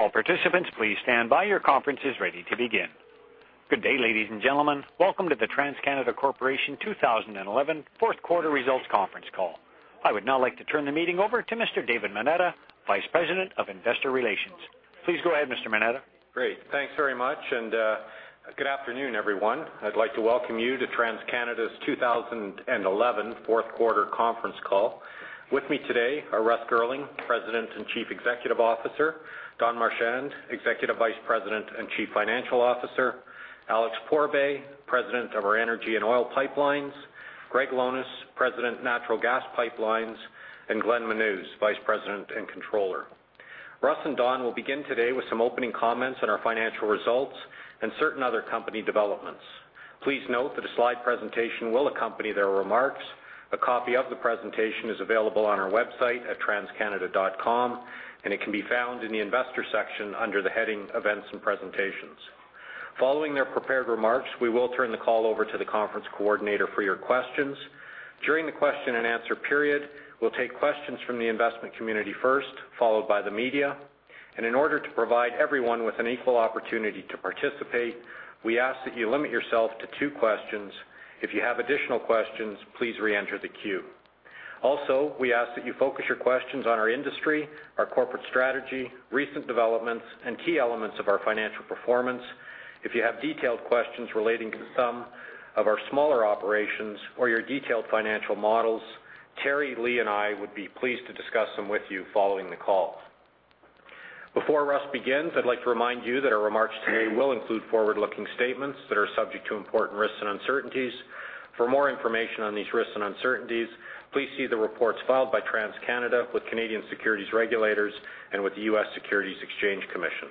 Good day, ladies and gentlemen. Welcome to the TransCanada Corporation 2011 Fourth Quarter Results Conference Call. I would now like to turn the meeting over to Mr. David Moneta, Vice President of Investor Relations. Please go ahead, Mr. Moneta. Great. Thanks very much, and good afternoon, everyone. I'd like to welcome you to TransCanada's 2011 fourth quarter conference call. With me today are Russ Girling, President and Chief Executive Officer, Don Marchand, Executive Vice President and Chief Financial Officer, Alex Pourbaix, President of our Energy and Oil Pipelines, Greg Lohnes, President, Natural Gas Pipelines, and Glenn Menuz, Vice President and Controller. Russ and Don will begin today with some opening comments on our financial results and certain other company developments. Please note that a slide presentation will accompany their remarks. A copy of the presentation is available on our website at transcanada.com, and it can be found in the investor section under the heading Events and Presentations. Following their prepared remarks, we will turn the call over to the conference coordinator for your questions. During the question and answer period, we'll take questions from the investment community first, followed by the media. In order to provide everyone with an equal opportunity to participate, we ask that you limit yourself to two questions. If you have additional questions, please re-enter the queue. Also, we ask that you focus your questions on our industry, our corporate strategy, recent developments, and key elements of our financial performance. If you have detailed questions relating to some of our smaller operations or your detailed financial models, Terry, Lee, and I would be pleased to discuss them with you following the call. Before Russ begins, I'd like to remind you that our remarks today will include forward-looking statements that are subject to important risks and uncertainties. For more information on these risks and uncertainties, please see the reports filed by TransCanada with Canadian securities regulators and with the U.S. Securities and Exchange Commission.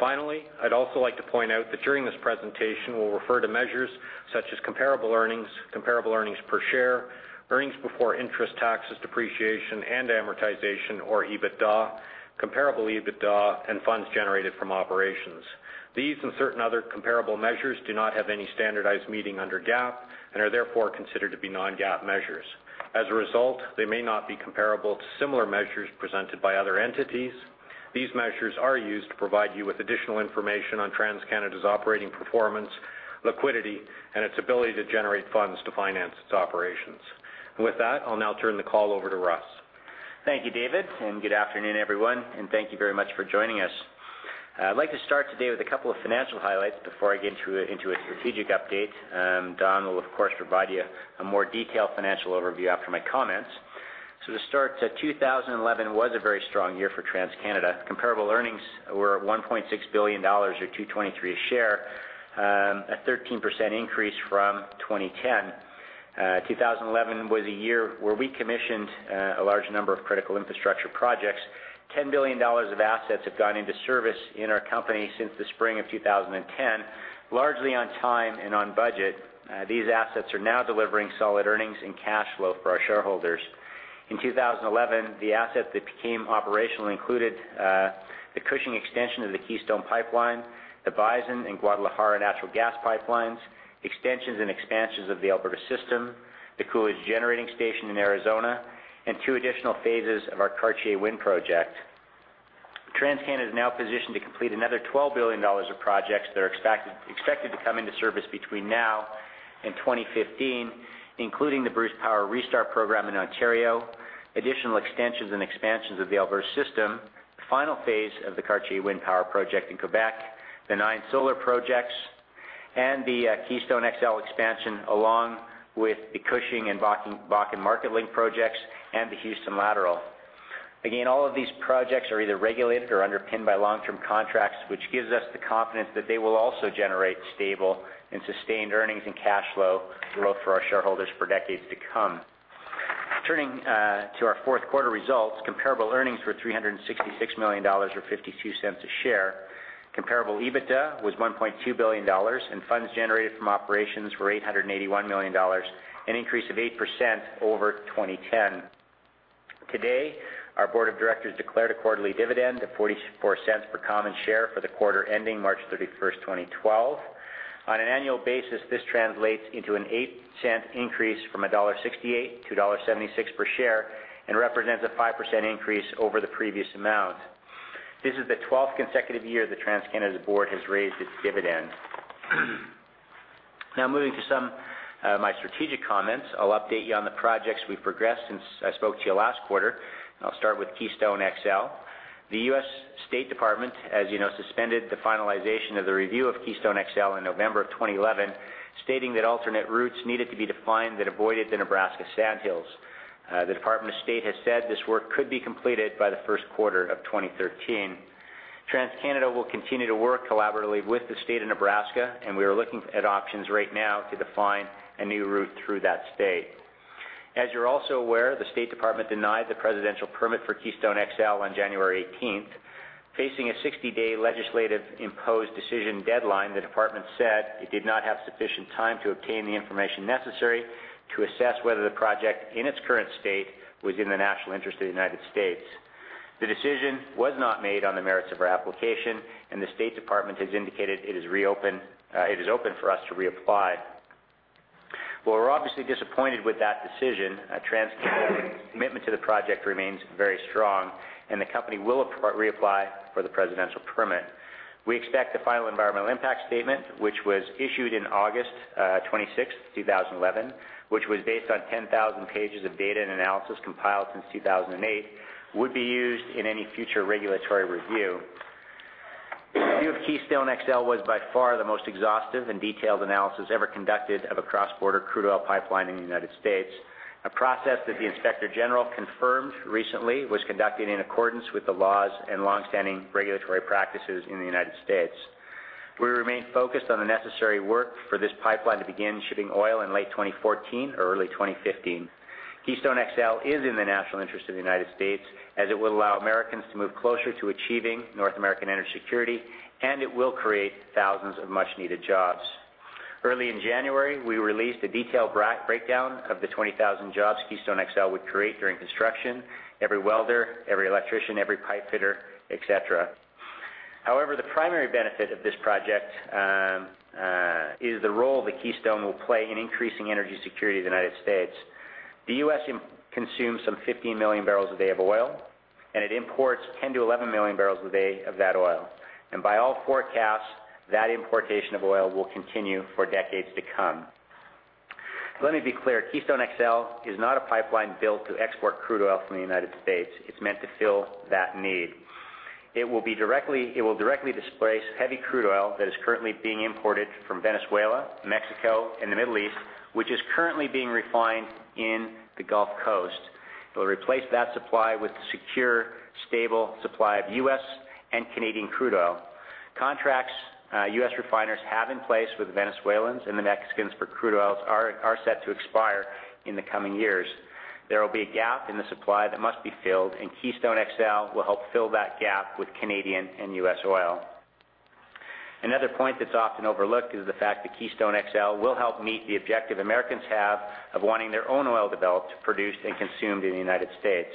Finally, I'd also like to point out that during this presentation, we'll refer to measures such as comparable earnings, comparable earnings per share, earnings before interest, taxes, depreciation, and amortization, or EBITDA, comparable EBITDA, and funds generated from operations. These and certain other comparable measures do not have any standardized meaning under GAAP and are therefore considered to be non-GAAP measures. As a result, they may not be comparable to similar measures presented by other entities. These measures are used to provide you with additional information on TransCanada's operating performance, liquidity, and its ability to generate funds to finance its operations. With that, I'll now turn the call over to Russ. Thank you, David, and good afternoon, everyone, and thank you very much for joining us. I'd like to start today with a couple of financial highlights before I get into a strategic update. Don will, of course, provide you a more detailed financial overview after my comments. To start, 2011 was a very strong year for TransCanada. Comparable earnings were at 1.6 billion dollars, or 2.23 a share, a 13% increase from 2010. 2011 was a year where we commissioned a large number of critical infrastructure projects. 10 billion dollars of assets have gone into service in our company since the spring of 2010, largely on time and on budget. These assets are now delivering solid earnings and cash flow for our shareholders. In 2011, the assets that became operational included the Cushing extension of the Keystone Pipeline, the Bison and Guadalajara natural gas pipelines, extensions and expansions of the Alberta System, the Coolidge Generating Station in Arizona, and two additional phases of our Cartier Wind project. TransCanada is now positioned to complete another $12 billion of projects that are expected to come into service between now and 2015, including the Bruce Power restart program in Ontario, additional extensions and expansions of the Alberta System, the final phase of the Cartier Wind power project in Quebec, the nine solar projects, and the Keystone XL expansion, along with the Cushing and Bakken MarketLink projects and the Houston Lateral. Again, all of these projects are either regulated or underpinned by long-term contracts, which gives us the confidence that they will also generate stable and sustained earnings and cash flow growth for our shareholders for decades to come. Turning to our fourth quarter results, comparable earnings were 366 million dollars, or 0.52 per share. Comparable EBITDA was 1.2 billion dollars, and funds generated from operations were 881 million dollars, an increase of 8% over 2010. Today, our board of directors declared a quarterly dividend of 0.44 per common share for the quarter ending March 31st, 2012. On an annual basis, this translates into an eight-cent increase from 1.68-2.76 dollar per share and represents a 5% increase over the previous amount. This is the 12th consecutive year that TransCanada's board has raised its dividend. Now moving to some of my strategic comments. I'll update you on the projects we've progressed since I spoke to you last quarter. I'll start with Keystone XL. The U.S. State Department, as you know, suspended the finalization of the review of Keystone XL in November 2011, stating that alternate routes needed to be defined that avoided the Nebraska Sandhills. The Department of State has said this work could be completed by the first quarter of 2013. TransCanada will continue to work collaboratively with the state of Nebraska, and we are looking at options right now to define a new route through that state. As you're also aware, the State Department denied the Presidential Permit for Keystone XL on January 18th. Facing a 60-day legislative-imposed decision deadline, the department said it did not have sufficient time to obtain the information necessary to assess whether the project in its current state was in the national interest of the United States. The decision was not made on the merits of our application, and the State Department has indicated it is open for us to reapply. Well, we're obviously disappointed with that decision. TransCanada's commitment to the project remains very strong, and the company will reapply for the Presidential Permit. We expect the Final Environmental Impact Statement, which was issued on August 26th, 2011, which was based on 10,000 pages of data and analysis compiled since 2008, would be used in any future regulatory review. The review of Keystone XL was by far the most exhaustive and detailed analysis ever conducted of a cross-border crude oil pipeline in the United States, a process that the Inspector General confirmed recently was conducted in accordance with the laws and longstanding regulatory practices in the United States. We remain focused on the necessary work for this pipeline to begin shipping oil in late 2014 or early 2015. Keystone XL is in the national interest of the United States, as it will allow Americans to move closer to achieving North American energy security, and it will create thousands of much-needed jobs. Early in January, we released a detailed breakdown of the 20,000 jobs Keystone XL would create during construction. Every welder, every electrician, every pipefitter, et cetera. However, the primary benefit of this project is the role that Keystone will play in increasing energy security in the United States. The U.S. consumes some 50 million bbl a day of oil, and it imports 10-11 million bbl a day of that oil. By all forecasts, that importation of oil will continue for decades to come. Let me be clear, Keystone XL is not a pipeline built to export crude oil from the United States. It's meant to fill that need. It will directly displace heavy crude oil that is currently being imported from Venezuela, Mexico, and the Middle East, which is currently being refined in the Gulf Coast. It will replace that supply with a secure, stable supply of U.S. and Canadian crude oil. Contracts U.S. refiners have in place with the Venezuelans and the Mexicans for crude oils are set to expire in the coming years. There will be a gap in the supply that must be filled, and Keystone XL will help fill that gap with Canadian and U.S. oil. Another point that's often overlooked is the fact that Keystone XL will help meet the objective Americans have of wanting their own oil developed, produced, and consumed in the United States.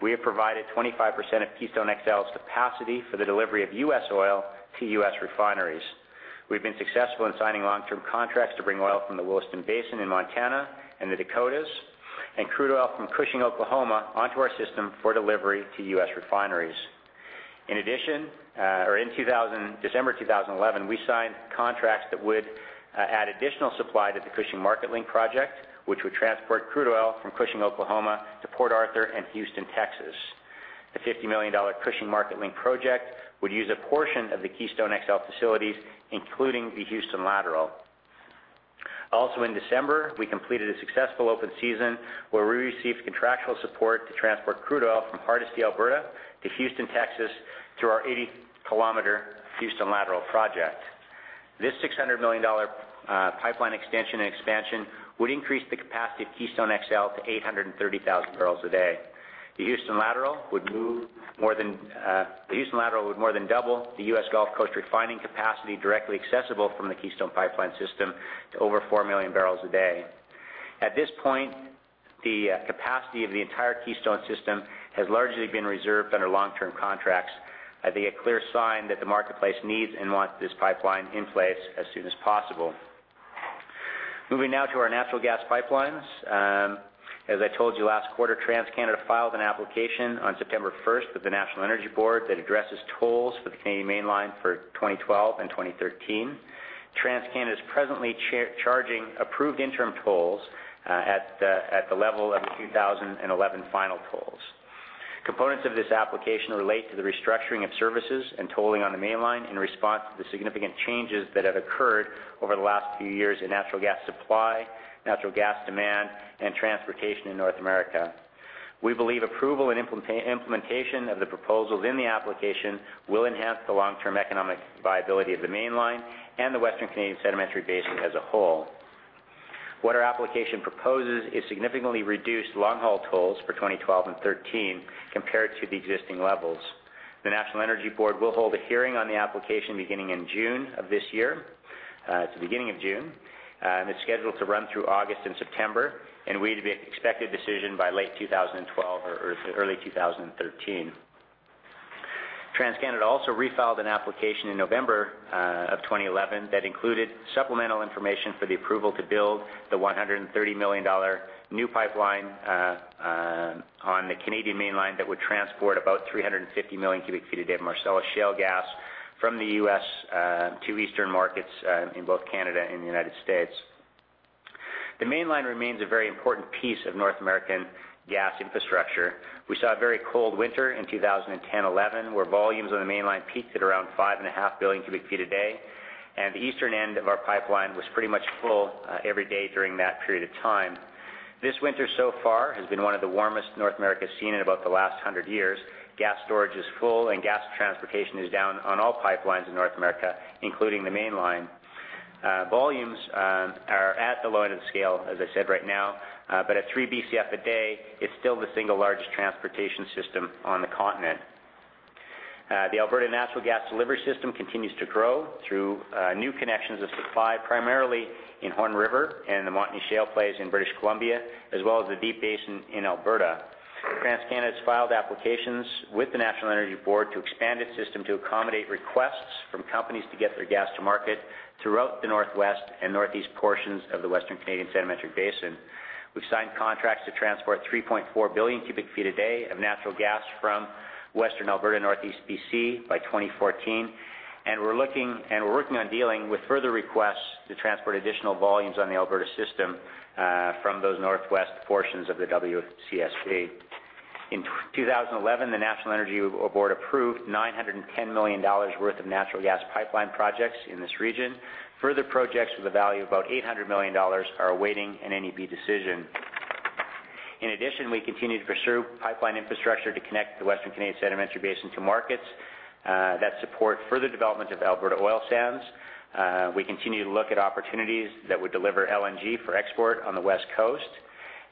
We have provided 25% of Keystone XL's capacity for the delivery of U.S. oil to U.S. refineries. We've been successful in signing long-term contracts to bring oil from the Williston Basin in Montana and the Dakotas, and crude oil from Cushing, Oklahoma, onto our system for delivery to U.S. refineries. In December 2011, we signed contracts that would add additional supply to the Cushing MarketLink project, which would transport crude oil from Cushing, Oklahoma, to Port Arthur and Houston, Texas. The $50 million Cushing MarketLink project would use a portion of the Keystone XL facilities, including the Houston Lateral. Also in December, we completed a successful open season, where we received contractual support to transport crude oil from Hardisty, Alberta, to Houston, Texas, through our 80 km Houston Lateral project. This $600 million pipeline extension and expansion would increase the capacity of Keystone XL to 830,000 bbl a day. The Houston Lateral would more than double the U.S. Gulf Coast refining capacity directly accessible from the Keystone Pipeline system to over 4 million bbl a day. At this point, the capacity of the entire Keystone system has largely been reserved under long-term contracts, I think a clear sign that the marketplace needs and wants this pipeline in place as soon as possible. Moving now to our natural gas pipelines. As I told you last quarter, TransCanada filed an application on September 1st with the National Energy Board that addresses tolls for the Canadian Mainline for 2012 and 2013. TransCanada is presently charging approved interim tolls at the level of the 2011 final tolls. Components of this application relate to the restructuring of services and tolling on the Mainline in response to the significant changes that have occurred over the last few years in natural gas supply, natural gas demand, and transportation in North America. We believe approval and implementation of the proposals in the application will enhance the long-term economic viability of the Mainline and the Western Canadian Sedimentary Basin as a whole. What our application proposes is significantly reduced long-haul tolls for 2012 and 2013 compared to the existing levels. The National Energy Board will hold a hearing on the application beginning in June of this year. It's the beginning of June, and it's scheduled to run through August and September, and we'd expect a decision by late 2012 or early 2013. TransCanada also refiled an application in November 2011 that included supplemental information for the approval to build the 130 million dollar new pipeline on the Canadian Mainline that would transport about 350 million cu ft. a day of Marcellus Shale gas from the U.S. to eastern markets in both Canada and the United States. The Mainline remains a very important piece of North American gas infrastructure. We saw a very cold winter in 2010-11, where volumes on the Mainline peaked at around 5.5 billion cu ft. a day, and the eastern end of our pipeline was pretty much full every day during that period of time. This winter so far has been one of the warmest North America's seen in about the last 100 years. Gas storage is full, and gas transportation is down on all pipelines in North America, including the Mainline. Volumes are at the low end of the scale, as I said, right now. At 3 BCF a day, it's still the single largest transportation system on the continent. The Alberta Natural Gas Delivery System continues to grow through new connections of supply, primarily in Horn River and the Montney Shale plays in British Columbia, as well as the Deep Basin in Alberta. TransCanada has filed applications with the National Energy Board to expand its system to accommodate requests from companies to get their gas to market throughout the northwest and northeast portions of the Western Canadian Sedimentary Basin. We've signed contracts to transport 3.4 billion cu ft. a day of natural gas from Western Alberta, Northeast BC by 2014, and we're working on dealing with further requests to transport additional volumes on the Alberta system from those northwest portions of the WCSB. In 2011, the National Energy Board approved 910 million dollars worth of natural gas pipeline projects in this region. Further projects with a value of about 800 million dollars are awaiting an NEB decision. In addition, we continue to pursue pipeline infrastructure to connect the Western Canadian Sedimentary Basin to markets that support further development of Alberta oil sands. We continue to look at opportunities that would deliver LNG for export on the West Coast,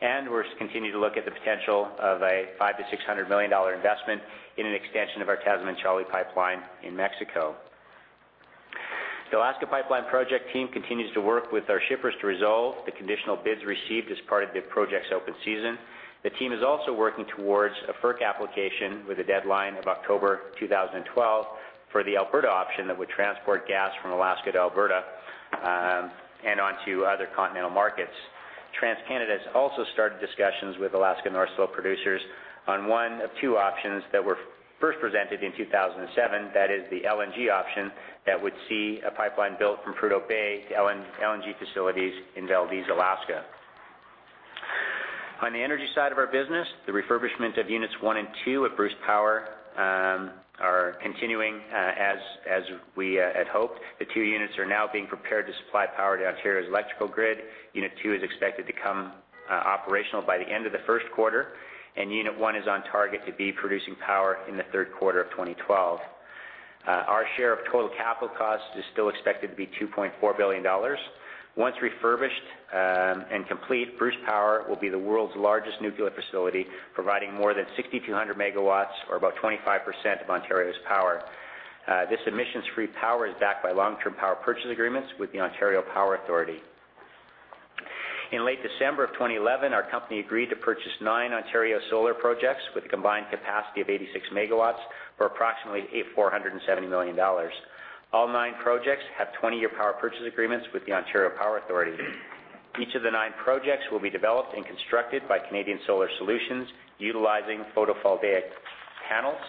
and we continue to look at the potential of a $500 million-$600 million investment in an extension of our Tamazunchale pipeline in Mexico. The Alaska Pipeline Project team continues to work with our shippers to resolve the conditional bids received as part of the project's open season. The team is also working towards a FERC application with a deadline of October 2012 for the Alberta option that would transport gas from Alaska to Alberta and onto other continental markets. TransCanada has also started discussions with Alaska North Slope producers on one of two options that were first presented in 2007. That is the LNG option that would see a pipeline built from Prudhoe Bay to LNG facilities in Valdez, Alaska. On the energy side of our business, the refurbishment of units one and two at Bruce Power are continuing as we had hoped. The two units are now being prepared to supply power to Ontario's electrical grid. Unit two is expected to come operational by the end of the first quarter, and unit one is on target to be producing power in the third quarter of 2012. Our share of total capital costs is still expected to be 2.4 billion dollars. Once refurbished and complete, Bruce Power will be the world's largest nuclear facility, providing more than 6,200 MW or about 25% of Ontario's power. This emissions-free power is backed by long-term power purchase agreements with the Ontario Power Authority. In late December of 2011, our company agreed to purchase nine Ontario solar projects with a combined capacity of 86 MW for approximately 470 million dollars. All nine projects have 20-year power purchase agreements with the Ontario Power Authority. Each of the nine projects will be developed and constructed by Canadian Solar Solutions utilizing photovoltaic panels.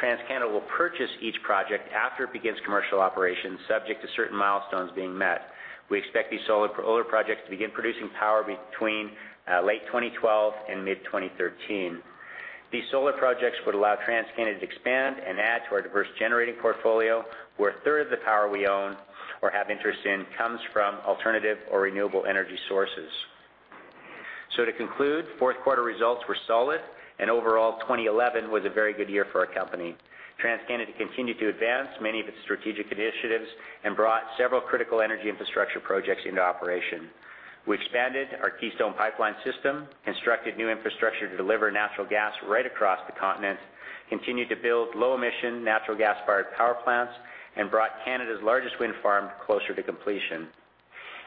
TransCanada will purchase each project after it begins commercial operations, subject to certain milestones being met. We expect these solar projects to begin producing power between late 2012 and mid-2013. These solar projects would allow TransCanada to expand and add to our diverse generating portfolio, where a third of the power we own or have interest in comes from alternative or renewable energy sources. To conclude, fourth quarter results were solid and overall, 2011 was a very good year for our company. TransCanada continued to advance many of its strategic initiatives and brought several critical energy infrastructure projects into operation. We expanded our Keystone Pipeline system, constructed new infrastructure to deliver natural gas right across the continent, continued to build low-emission natural gas-fired power plants, and brought Canada's largest wind farm closer to completion.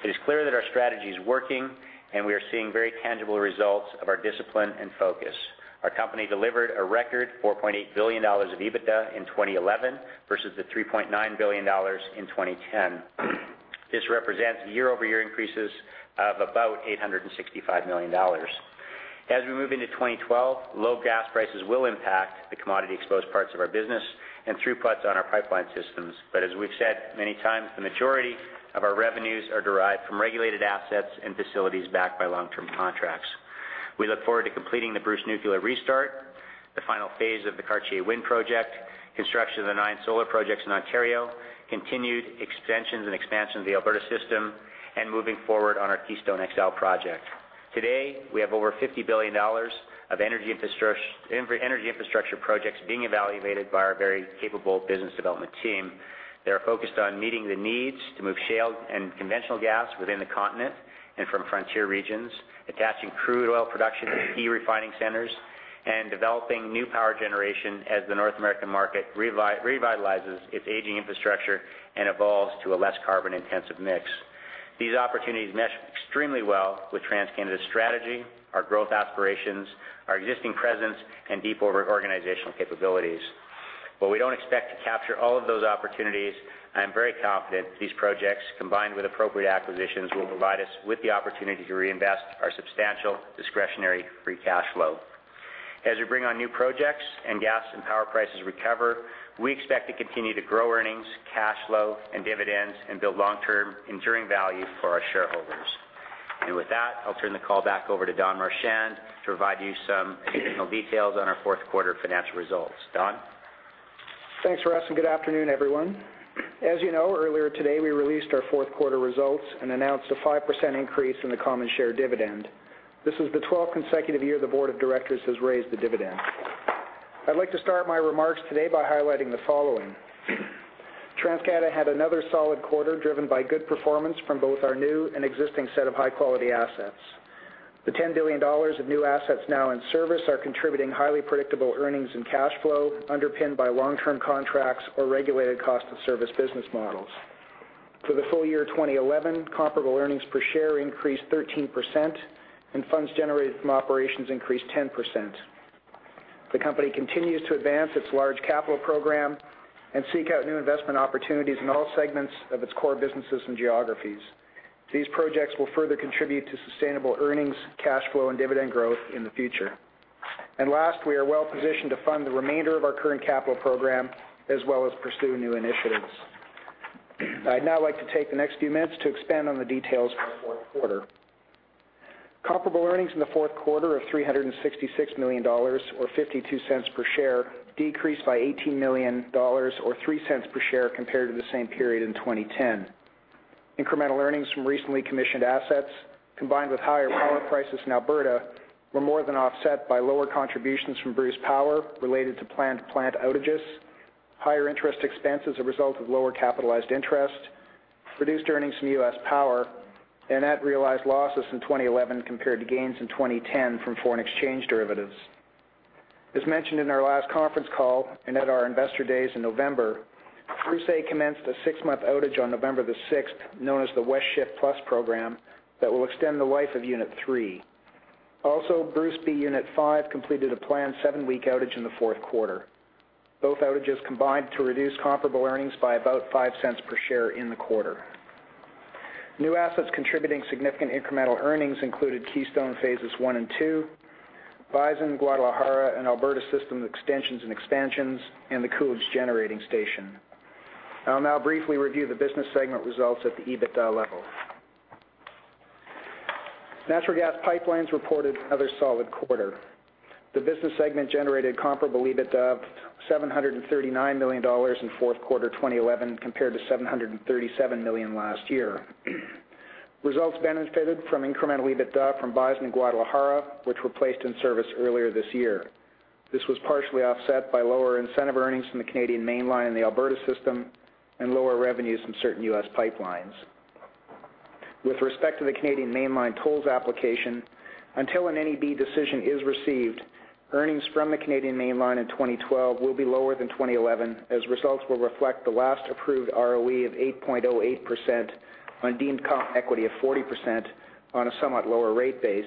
It is clear that our strategy is working, and we are seeing very tangible results of our discipline and focus. Our company delivered a record 4.8 billion dollars of EBITDA in 2011 versus the 3.9 billion dollars in 2010. This represents year-over-year increases of about 865 million dollars. As we move into 2012, low gas prices will impact the commodity-exposed parts of our business and throughputs on our pipeline systems. As we've said many times, the majority of our revenues are derived from regulated assets and facilities backed by long-term contracts. We look forward to completing the Bruce Nuclear restart, the final phase of the Cartier Wind project, construction of the nine solar projects in Ontario, continued expansions and expansion of the Alberta System, and moving forward on our Keystone XL project. Today, we have over $50 billion of energy infrastructure projects being evaluated by our very capable business development team. They are focused on meeting the needs to move shale and conventional gas within the continent and from frontier regions, attaching crude oil production to key refining centers, and developing new power generation as the North American market revitalizes its aging infrastructure and evolves to a less carbon-intensive mix. These opportunities mesh extremely well with TransCanada's strategy, our growth aspirations, our existing presence, and deep organizational capabilities. While we don't expect to capture all of those opportunities, I am very confident these projects, combined with appropriate acquisitions, will provide us with the opportunity to reinvest our substantial discretionary free cash flow. As we bring on new projects and gas and power prices recover, we expect to continue to grow earnings, cash flow, and dividends, and build long-term enduring value for our shareholders. With that, I'll turn the call back over to Don Marchand to provide you some additional details on our fourth quarter financial results. Don? Thanks, Russ, and good afternoon, everyone. As you know, earlier today, we released our fourth quarter results and announced a 5% increase in the common share dividend. This is the 12th consecutive year the board of directors has raised the dividend. I'd like to start my remarks today by highlighting the following. TransCanada had another solid quarter driven by good performance from both our new and existing set of high-quality assets. The 10 billion dollars of new assets now in service are contributing highly predictable earnings and cash flow underpinned by long-term contracts or regulated cost of service business models. For the full year 2011, comparable earnings per share increased 13% and funds generated from operations increased 10%. The company continues to advance its large capital program and seek out new investment opportunities in all segments of its core businesses and geographies. These projects will further contribute to sustainable earnings, cash flow, and dividend growth in the future. Last, we are well-positioned to fund the remainder of our current capital program, as well as pursue new initiatives. I'd now like to take the next few minutes to expand on the details for the fourth quarter. Comparable earnings in the fourth quarter are 366 million dollars, or 0.52 per share, decreased by 18 million dollars, or 0.03 per share compared to the same period in 2010. Incremental earnings from recently commissioned assets, combined with higher power prices in Alberta, were more than offset by lower contributions from Bruce Power related to planned plant outages, higher interest expense as a result of lower capitalized interest, reduced earnings from U.S. Power, and net realized losses in 2011 compared to gains in 2010 from foreign exchange derivatives. As mentioned in our last conference call, and at our Investor Days in November, Bruce A commenced a six-month outage on November 6, known as the Extended West Shift Plus program, that will extend the life of Unit 3. Bruce B Unit 5 completed a planned seven-week outage in the fourth quarter. Both outages combined to reduce comparable earnings by about 0.05 per share in the quarter. New assets contributing significant incremental earnings included Keystone phases I and II, Bison, Guadalajara, and Alberta System extensions and expansions, and the Coolidge Generating Station. I'll now briefly review the business segment results at the EBITDA level. Natural Gas Pipelines reported another solid quarter. The business segment generated comparable EBITDA of 739 million dollars in fourth quarter 2011 compared to 737 million last year. Results benefited from incremental EBITDA from Bison and Guadalajara, which were placed in service earlier this year. This was partially offset by lower incentive earnings from the Canadian Mainline and the Alberta System and lower revenues from certain U.S. pipelines. With respect to the Canadian Mainline tolls application, until an NEB decision is received, earnings from the Canadian Mainline in 2012 will be lower than 2011, as results will reflect the last approved ROE of 8.08% on deemed common equity of 40% on a somewhat lower rate base,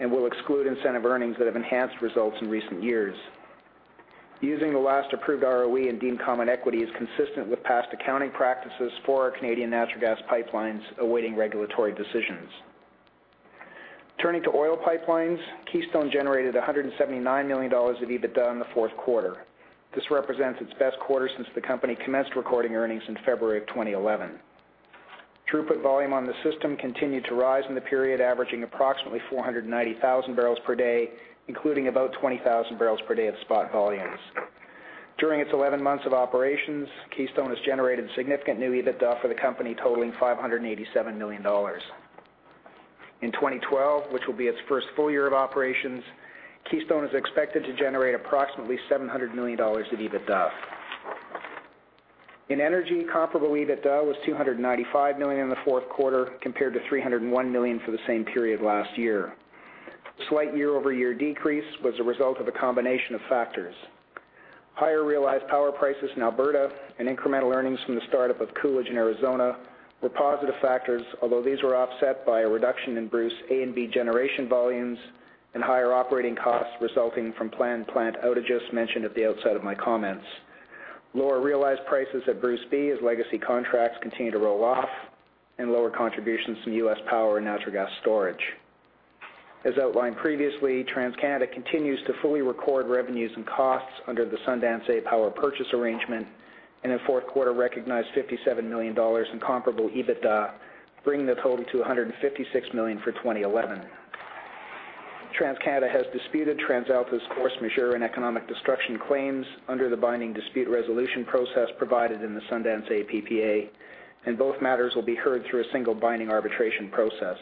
and will exclude incentive earnings that have enhanced results in recent years. Using the last approved ROE in deemed common equity is consistent with past accounting practices for our Canadian natural gas pipelines awaiting regulatory decisions. Turning to Oil Pipelines, Keystone generated 179 million dollars of EBITDA in the fourth quarter. This represents its best quarter since the company commenced recording earnings in February of 2011. Throughput volume on the system continued to rise in the period, averaging approximately 490,000 bbl per day, including about 20,000 bbl per day of spot volumes. During its 11 months of operations, Keystone has generated significant new EBITDA for the company totaling $587 million. In 2012, which will be its first full year of operations, Keystone is expected to generate approximately $700 million of EBITDA. In Energy, comparable EBITDA was $295 million in the fourth quarter, compared to $301 million for the same period last year. Slight year-over-year decrease was a result of a combination of factors. Higher realized power prices in Alberta and incremental earnings from the startup of Coolidge in Arizona were positive factors, although these were offset by a reduction in Bruce A and B generation volumes and higher operating costs resulting from planned plant outages mentioned at the outset of my comments. Lower realized prices at Bruce B as legacy contracts continue to roll off and lower contributions from U.S. Power and Natural Gas Storage. As outlined previously, TransCanada continues to fully record revenues and costs under the Sundance A power purchase arrangement and in the fourth quarter recognized 57 million dollars in comparable EBITDA, bringing the total to 156 million for 2011. TransCanada has disputed TransAlta's force majeure and economic destruction claims under the binding dispute resolution process provided in the Sundance A PPA, and both matters will be heard through a single binding arbitration process.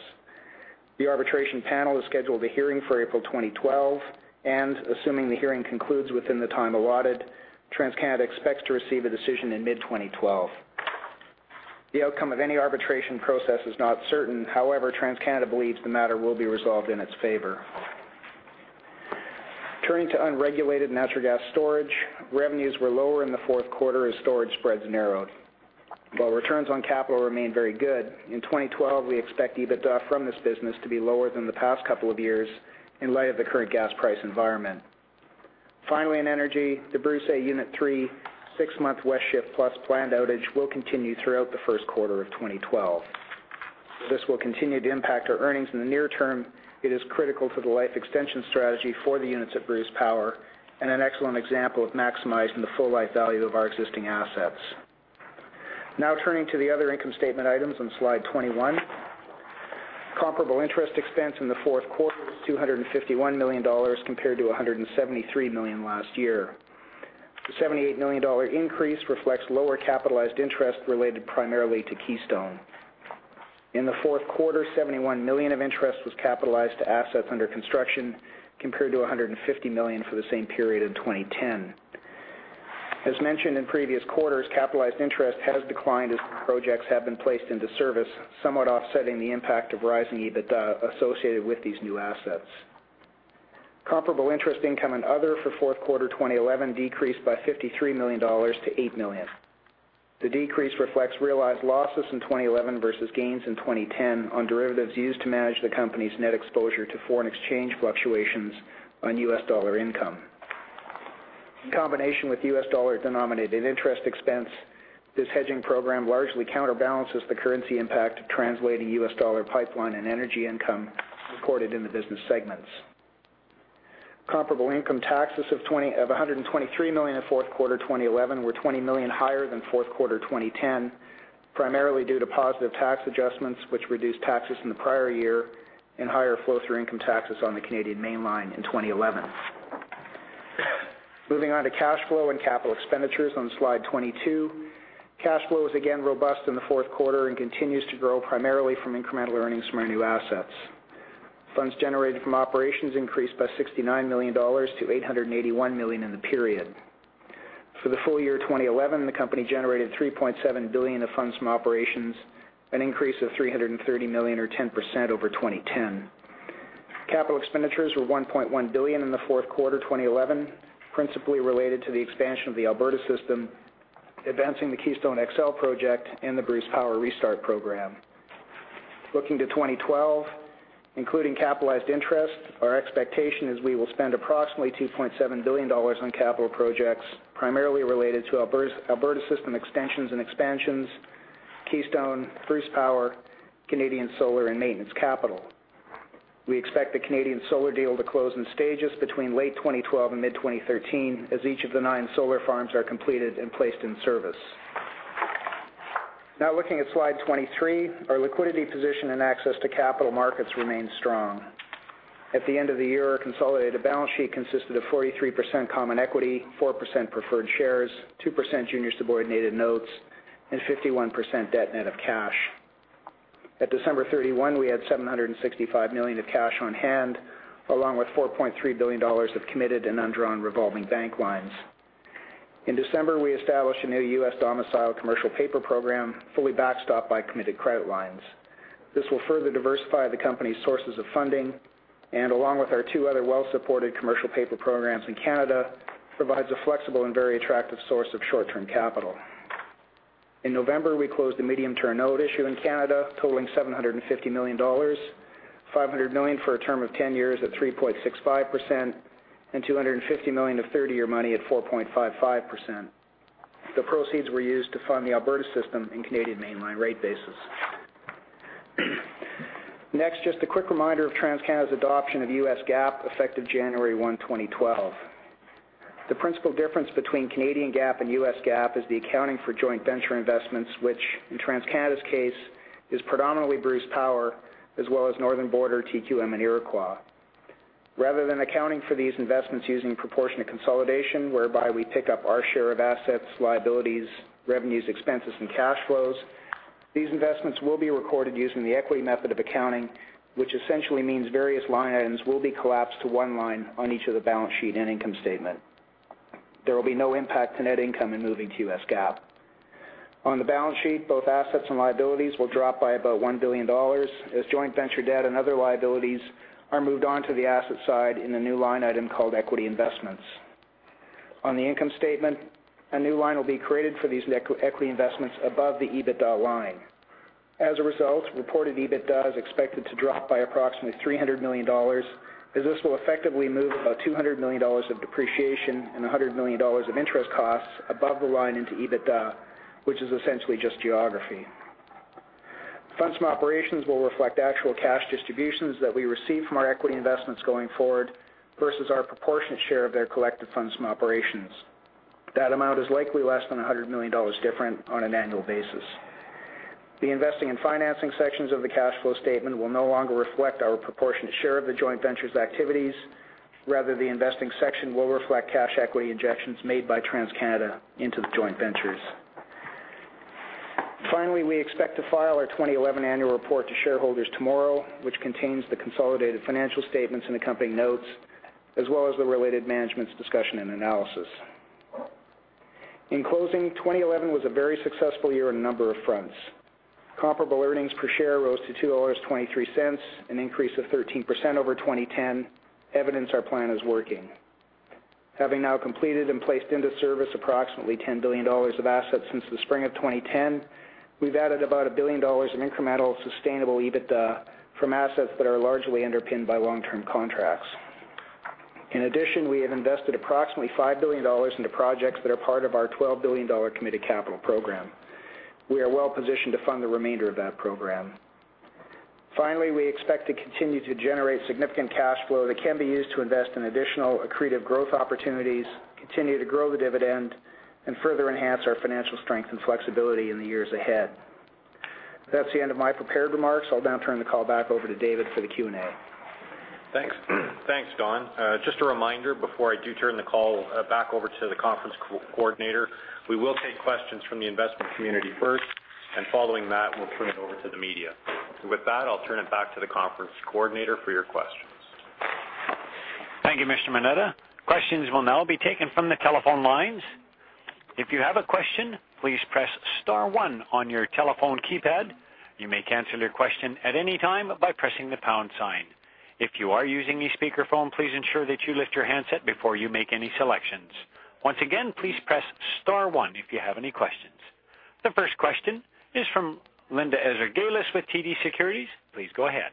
The arbitration panel has scheduled a hearing for April 2012, and assuming the hearing concludes within the time allotted, TransCanada expects to receive a decision in mid-2012. The outcome of any arbitration process is not certain, however, TransCanada believes the matter will be resolved in its favor. Turning to unregulated Natural Gas Storage, revenues were lower in the fourth quarter as storage spreads narrowed. While returns on capital remain very good, in 2012, we expect EBITDA from this business to be lower than the past couple of years in light of the current gas price environment. Finally, in Energy, the Bruce A Unit 3 six-month West Shift Plus planned outage will continue throughout the first quarter of 2012. This will continue to impact our earnings in the near term. It is critical to the life extension strategy for the units at Bruce Power and an excellent example of maximizing the full life value of our existing assets. Now turning to the other income statement items on slide 21. Comparable interest expense in the fourth quarter was 251 million dollars compared to 173 million last year. The 78 million dollar increase reflects lower capitalized interest related primarily to Keystone. In the fourth quarter, 71 million of interest was capitalized to assets under construction, compared to 150 million for the same period in 2010. As mentioned in previous quarters, capitalized interest has declined as the projects have been placed into service, somewhat offsetting the impact of rising EBITDA associated with these new assets. Comparable interest income and other for fourth quarter 2011 decreased by 53 million dollars to 8 million. The decrease reflects realized losses in 2011 versus gains in 2010 on derivatives used to manage the company's net exposure to foreign exchange fluctuations on US dollar income. In combination with US dollar-denominated interest expense, this hedging program largely counterbalances the currency impact of translating US dollar pipeline and energy income recorded in the business segments. Comparable income taxes of 123 million in fourth quarter 2011 were 20 million higher than fourth quarter 2010, primarily due to positive tax adjustments, which reduced taxes in the prior year, and higher flow-through income taxes on the Canadian Mainline in 2011. Moving on to cash flow and capital expenditures on slide 22. Cash flow was again robust in the fourth quarter and continues to grow primarily from incremental earnings from our new assets. Funds generated from operations increased by 69 million-881 million dollars in the period. For the full year 2011, the company generated 3.7 billion of funds from operations, an increase of 330 million or 10% over 2010. Capital expenditures were 1.1 billion in the fourth quarter 2011, principally related to the expansion of the Alberta System, advancing the Keystone XL project, and the Bruce Power restart program. Looking to 2012, including capitalized interest, our expectation is we will spend approximately 2.7 billion dollars on capital projects, primarily related to Alberta System extensions and expansions, Keystone, Bruce Power, Canadian Solar, and maintenance capital. We expect the Canadian Solar deal to close in stages between late 2012 and mid-2013 as each of the nine solar farms are completed and placed in service. Now, looking at slide 23. Our liquidity position and access to capital markets remain strong. At the end of the year, our consolidated balance sheet consisted of 43% common equity, 4% preferred shares, 2% junior subordinated notes, and 51% debt net of cash. At December 31, we had 765 million of cash on hand, along with 4.3 billion dollars of committed and undrawn revolving bank lines. In December, we established a new U.S. domicile commercial paper program, fully backstopped by committed credit lines. This will further diversify the company's sources of funding, and along with our two other well-supported commercial paper programs in Canada, provides a flexible and very attractive source of short-term capital. In November, we closed a medium-term note issue in Canada totaling 750 million dollars, 500 million for a term of 10 years at 3.65% and 250 million of 30-year money at 4.55%. The proceeds were used to fund the Alberta System and Canadian Mainline rate bases. Next, just a quick reminder of TransCanada's adoption of U.S. GAAP, effective January 1, 2012. The principal difference between Canadian GAAP and U.S. GAAP is the accounting for joint venture investments, which in TransCanada's case is predominantly Bruce Power, as well as Northern Border, TQM and Iroquois. Rather than accounting for these investments using proportionate consolidation, whereby we pick up our share of assets, liabilities, revenues, expenses, and cash flows, these investments will be recorded using the equity method of accounting, which essentially means various line items will be collapsed to one line on each of the balance sheet and income statement. There will be no impact to net income in moving to U.S. GAAP. On the balance sheet, both assets and liabilities will drop by about $1 billion, as joint venture debt and other liabilities are moved on to the asset side in a new line item called equity investments. On the income statement, a new line will be created for these equity investments above the EBITDA line. As a result, reported EBITDA is expected to drop by approximately 300 million dollars, as this will effectively move about 200 million dollars of depreciation and 100 million dollars of interest costs above the line into EBITDA, which is essentially just geography. Funds from operations will reflect actual cash distributions that we receive from our equity investments going forward versus our proportionate share of their collected funds from operations. That amount is likely less than 100 million dollars different on an annual basis. The investing and financing sections of the cash flow statement will no longer reflect our proportionate share of the joint venture's activities. Rather, the investing section will reflect cash equity injections made by TransCanada into the joint ventures. Finally, we expect to file our 2011 annual report to shareholders tomorrow, which contains the consolidated financial statements and accompanying notes, as well as the related management's discussion and analysis. In closing, 2011 was a very successful year on a number of fronts. Comparable earnings per share rose to 2.23 dollars, an increase of 13% over 2010, evidence that our plan is working. Having now completed and placed into service approximately 10 billion dollars of assets since the spring of 2010, we've added about 1 billion dollars in incremental sustainable EBITDA from assets that are largely underpinned by long-term contracts. In addition, we have invested approximately 5 billion dollars into projects that are part of our 12 billion dollar committed capital program. We are well-positioned to fund the remainder of that program. Finally, we expect to continue to generate significant cash flow that can be used to invest in additional accretive growth opportunities, continue to grow the dividend, and further enhance our financial strength and flexibility in the years ahead. That's the end of my prepared remarks. I'll now turn the call back over to David for the Q&A. Thanks, Don. Just a reminder, before I do turn the call back over to the conference coordinator, we will take questions from the investment community first, and following that, we'll turn it over to the media. With that, I'll turn it back to the conference coordinator for your questions. Thank you, Mr. Moneta. Questions will now be taken from the telephone lines. If you have a question, please press star one on your telephone keypad. You may cancel your question at any time by pressing the pound sign. The first question is from Linda Ezergailis with TD Securities. Please go ahead.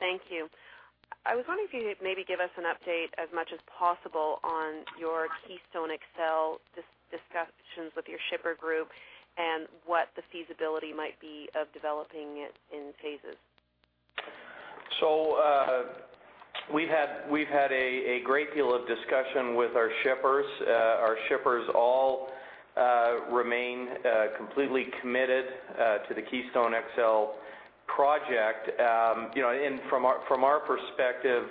Thank you. I was wondering if you could maybe give us an update as much as possible on your Keystone XL discussions with your shipper group and what the feasibility might be of developing it in phases? We've had a great deal of discussion with our shippers. Our shippers all remain completely committed to the Keystone XL project. From our perspective,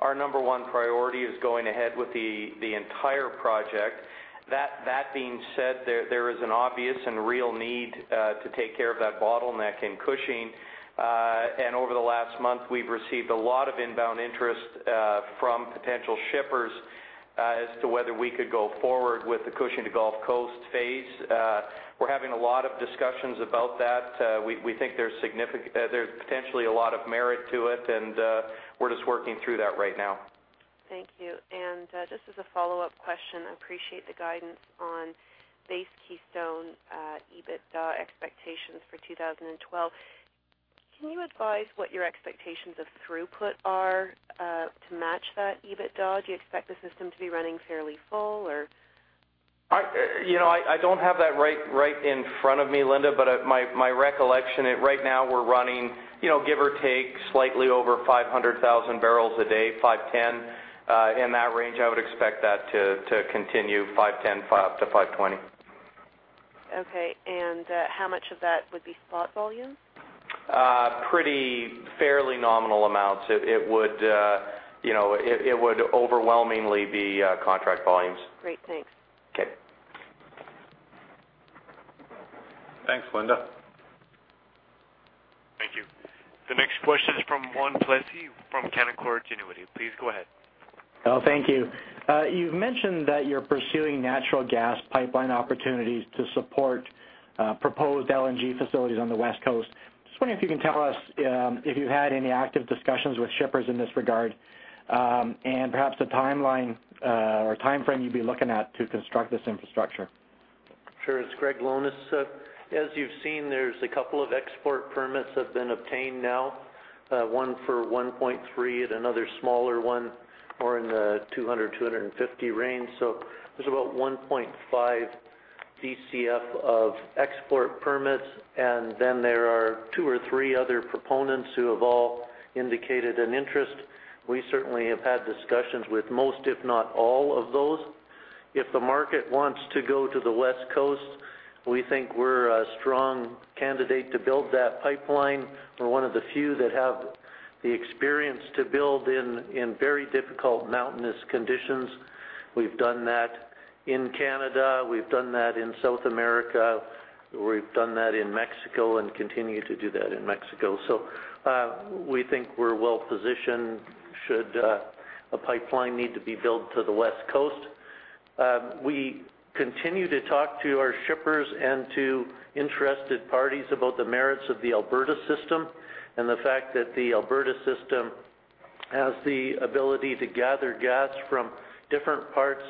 our number one priority is going ahead with the entire project. That being said, there is an obvious and real need to take care of that bottleneck in Cushing. Over the last month, we've received a lot of inbound interest from potential shippers as to whether we could go forward with the Cushing to Gulf Coast phase. We're having a lot of discussions about that. We think there's potentially a lot of merit to it, and we're just working through that right now. Thank you. Just as a follow-up question, I appreciate the guidance on base Keystone EBITDA expectations for 2012. Can you advise what your expectations of throughput are to match that EBITDA? Do you expect the system to be running fairly full? I don't have that right in front of me, Linda, but my recollection, right now we're running, give or take, slightly over 500,000 bbl a day, 510 in that range. I would expect that to continue 510-520. Okay, how much of that would be spot volume? Pretty fairly nominal amounts. It would overwhelmingly be contract volumes. Great. Thanks. Okay. Thanks, Linda. Thank you. The next question is from Juan Plessis from Canaccord Genuity. Please go ahead. Thank you. You've mentioned that you're pursuing natural gas pipeline opportunities to support proposed LNG facilities on the West Coast. Just wondering if you can tell us if you had any active discussions with shippers in this regard, and perhaps the timeline or timeframe you'd be looking at to construct this infrastructure. Sure. It's Greg Lohnes. As you've seen, there's a couple of export permits that have been obtained now, one for 1.3 and another smaller one more in the 200-250 range. There's about 1.5 BCF of export permits. And then there are two or three other proponents who have all indicated an interest. We certainly have had discussions with most, if not all of those. If the market wants to go to the West Coast, we think we're a strong candidate to build that pipeline. We're one of the few that have the experience to build in very difficult mountainous conditions. We've done that in Canada, we've done that in South America, we've done that in Mexico, and continue to do that in Mexico. We think we're well positioned should a pipeline need to be built to the West Coast. We continue to talk to our shippers and to interested parties about the merits of the Alberta System and the fact that the Alberta System has the ability to gather gas from different parts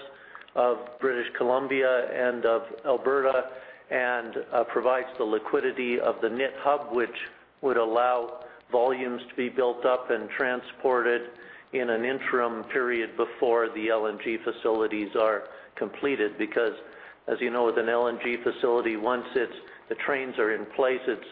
of British Columbia and of Alberta and provides the liquidity of the NIT Hub, which would allow volumes to be built up and transported in an interim period before the LNG facilities are completed. Because as you know, with an LNG facility, once the trains are in place, it's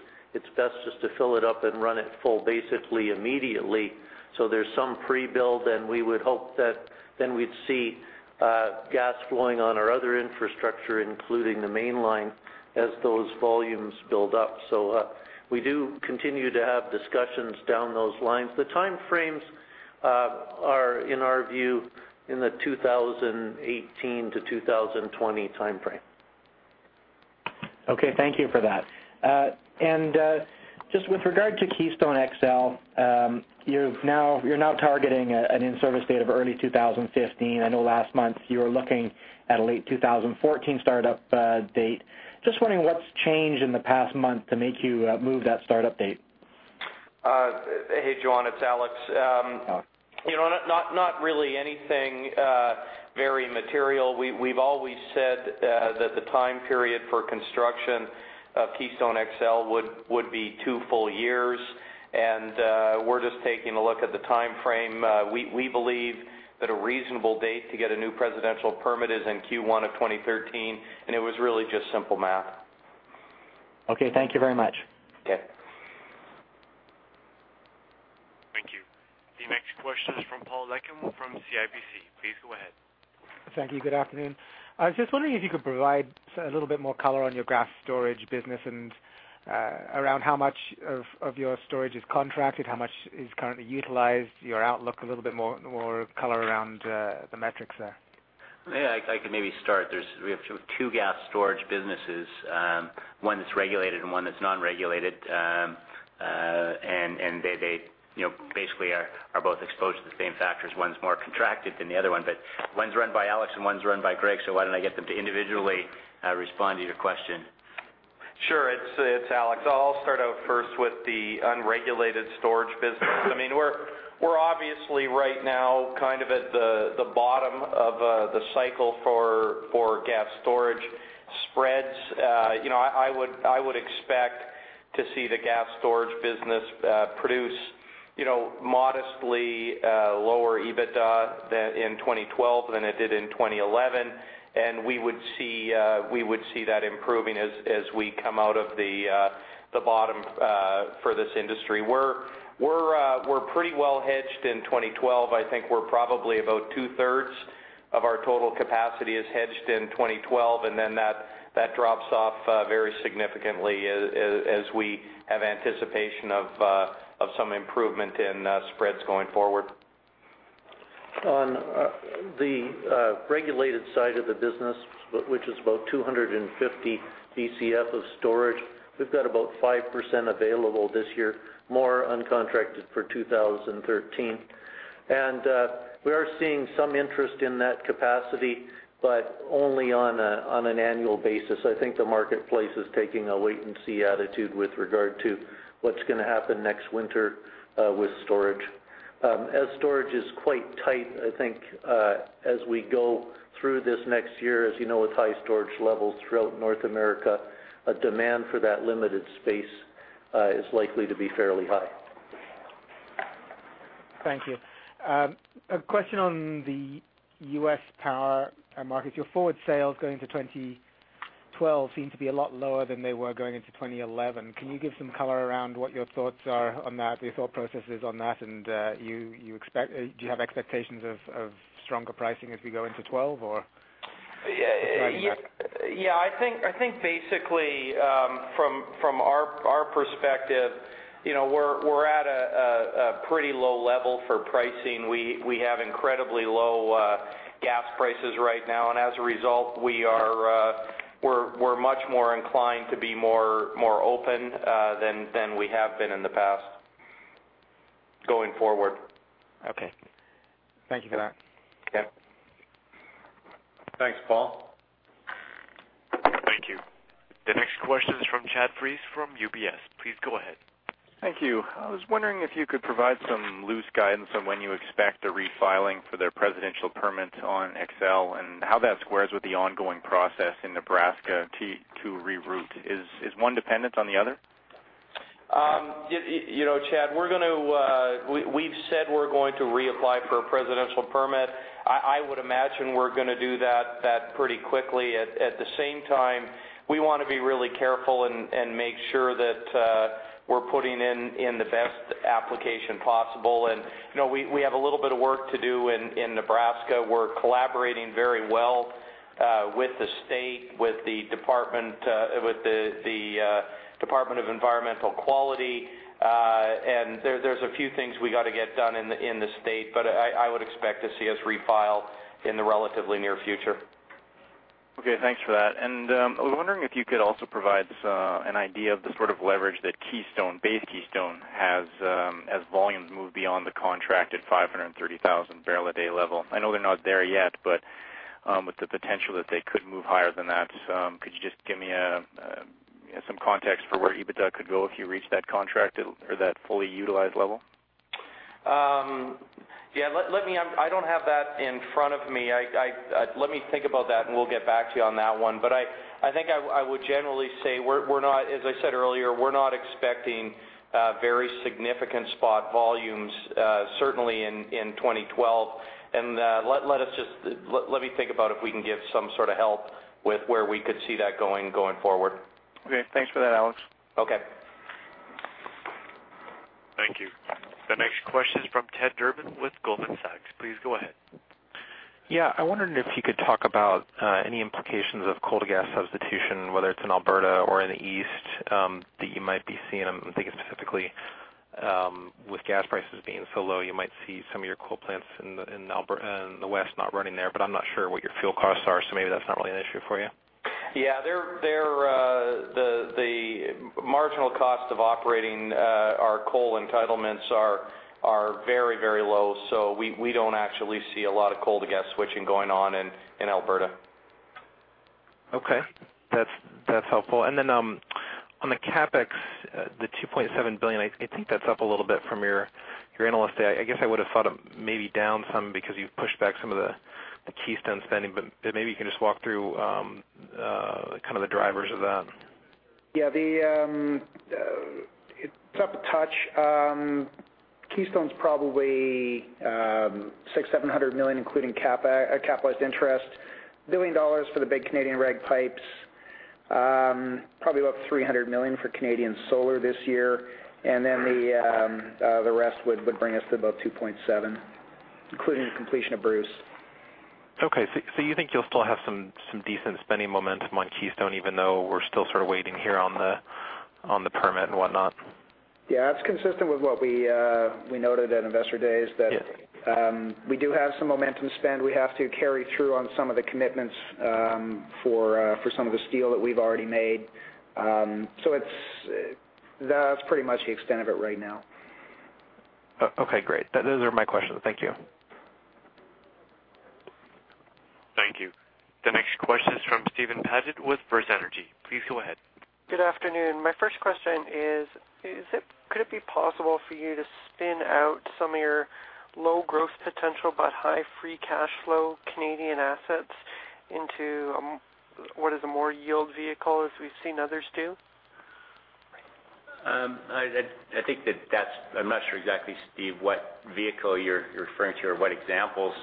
best just to fill it up and run it full basically immediately. There's some pre-build, and we would hope that then we'd see gas flowing on our other infrastructure, including the mainline, as those volumes build up. We do continue to have discussions down those lines. The time frames are, in our view, in the 2018-2020 time frame. Okay, thank you for that. Just with regard to Keystone XL, you're now targeting an in-service date of early 2015. I know last month you were looking at a late 2014 startup date. Just wondering what's changed in the past month to make you move that startup date. Hey, Juan, it's Alex. Alex. Not really anything very material. We've always said that the time period for construction of Keystone XL would be two full years, and we're just taking a look at the time frame. We believe that a reasonable date to get a new Presidential Permit is in Q1 of 2013, and it was really just simple math. Okay, thank you very much. Okay. Thank you. The next question is from Paul Lechem from CIBC. Please go ahead. Thank you. Good afternoon. I was just wondering if you could provide a little bit more color on your gas storage business and around how much of your storage is contracted, how much is currently utilized, your outlook, a little bit more color around the metrics there. Yeah, I could maybe start. We have two gas storage businesses, one that's regulated and one that's non-regulated. They basically are both exposed to the same factors. One's more contracted than the other one, but one's run by Alex and one's run by Greg. Why don't I get them to individually respond to your question? Sure. It's Alex. I'll start out first with the unregulated storage business. We're obviously, right now, at the bottom of the cycle for gas storage spreads. I would expect to see the gas storage business produce modestly lower EBITDA in 2012 than it did in 2011. We would see that improving as we come out of the bottom for this industry. We're pretty well hedged in 2012. I think we're probably about 2/3 of our total capacity is hedged in 2012, and then that drops off very significantly as we have anticipation of some improvement in spreads going forward. On the regulated side of the business, which is about 250 BCF of storage, we've got about 5% available this year, more uncontracted for 2013. We are seeing some interest in that capacity, but only on an annual basis. I think the marketplace is taking a wait and see attitude with regard to what's going to happen next winter with storage. As storage is quite tight, I think, as we go through this next year, as you know, with high storage levels throughout North America, a demand for that limited space is likely to be fairly high. Thank you. A question on the U.S. power market. Your forward sales going into 2012 seem to be a lot lower than they were going into 2011. Can you give some color around what your thoughts are on that, your thought process is on that? Do you have expectations of stronger pricing as we go into 2012, or Yeah, I think basically, from our perspective, we're at a pretty low level for pricing. We have incredibly low gas prices right now, and as a result, we're much more inclined to be more open than we have been in the past, going forward. Okay. Thank you for that. Yeah. Thanks, Paul. Thank you. The next question is from Chad Friess from UBS. Please go ahead. Thank you. I was wondering if you could provide some loose guidance on when you expect a refiling for the Presidential Permit on XL, and how that squares with the ongoing process in Nebraska to reroute. Is one dependent on the other? Chad, we've said we're going to reapply for a Presidential Permit. I would imagine we're going to do that pretty quickly. At the same time, we want to be really careful and make sure that we're putting in the best application possible. We have a little bit of work to do in Nebraska. We're collaborating very well with the state, with the Department of Environmental Quality. There's a few things we got to get done in the state, but I would expect to see us refile in the relatively near future. Okay, thanks for that. I was wondering if you could also provide an idea of the sort of leverage that the Keystone has as volumes move beyond the contracted 530,000 bbl a day level. I know they're not there yet, but with the potential that they could move higher than that, could you just give me some context for where EBITDA could go if you reach that contracted or that fully utilized level? Yeah. I don't have that in front of me. Let me think about that, and we'll get back to you on that one. But I think I would generally say, as I said earlier, we're not expecting very significant spot volumes, certainly in 2012. Let me think about if we can give some sort of help with where we could see that going forward. Okay. Thanks for that, Alex. Okay. Thank you. The next question is from Ted Durbin with Goldman Sachs. Please go ahead. Yeah. I wondered if you could talk about any implications of coal to gas substitution, whether it's in Alberta or in the East, that you might be seeing. I'm thinking specifically with gas prices being so low, you might see some of your coal plants in the West not running there. But I'm not sure what your fuel costs are, so maybe that's not really an issue for you. Yeah. The marginal cost of operating our coal entitlements are very low. We don't actually see a lot of coal to gas switching going on in Alberta. Okay. That's helpful. On the CapEx, the 2.7 billion, I think that's up a little bit from your Analyst Day. I guess I would have thought maybe down some because you've pushed back some of the Keystone spending. Maybe you can just walk through the drivers of that. Yeah. It's up a touch. Keystone's probably 600 million-700 million, including capitalized interest, 1 billion dollars for the big Canadian regulated pipes, probably about 300 million for Canadian Solar this year, and then the rest would bring us to about 2.7 billion, including the completion of Bruce. Okay. You think you'll still have some decent spending momentum on Keystone, even though we're still sort of waiting here on the permit and whatnot? Yeah. It's consistent with what we noted at Investor Day is that we do have some momentum spend we have to carry through on some of the commitments for some of the steel that we've already made. That's pretty much the extent of it right now. Okay, great. Those are my questions. Thank you. Thank you. The next question is from Steven Paget with FirstEnergy. Please go ahead. Good afternoon. My first question is, could it be possible for you to spin out some of your low growth potential, but high free cash flow Canadian assets into what is a more yield vehicle as we've seen others do? I'm not sure exactly, Steve, what vehicle you're referring to or what examples.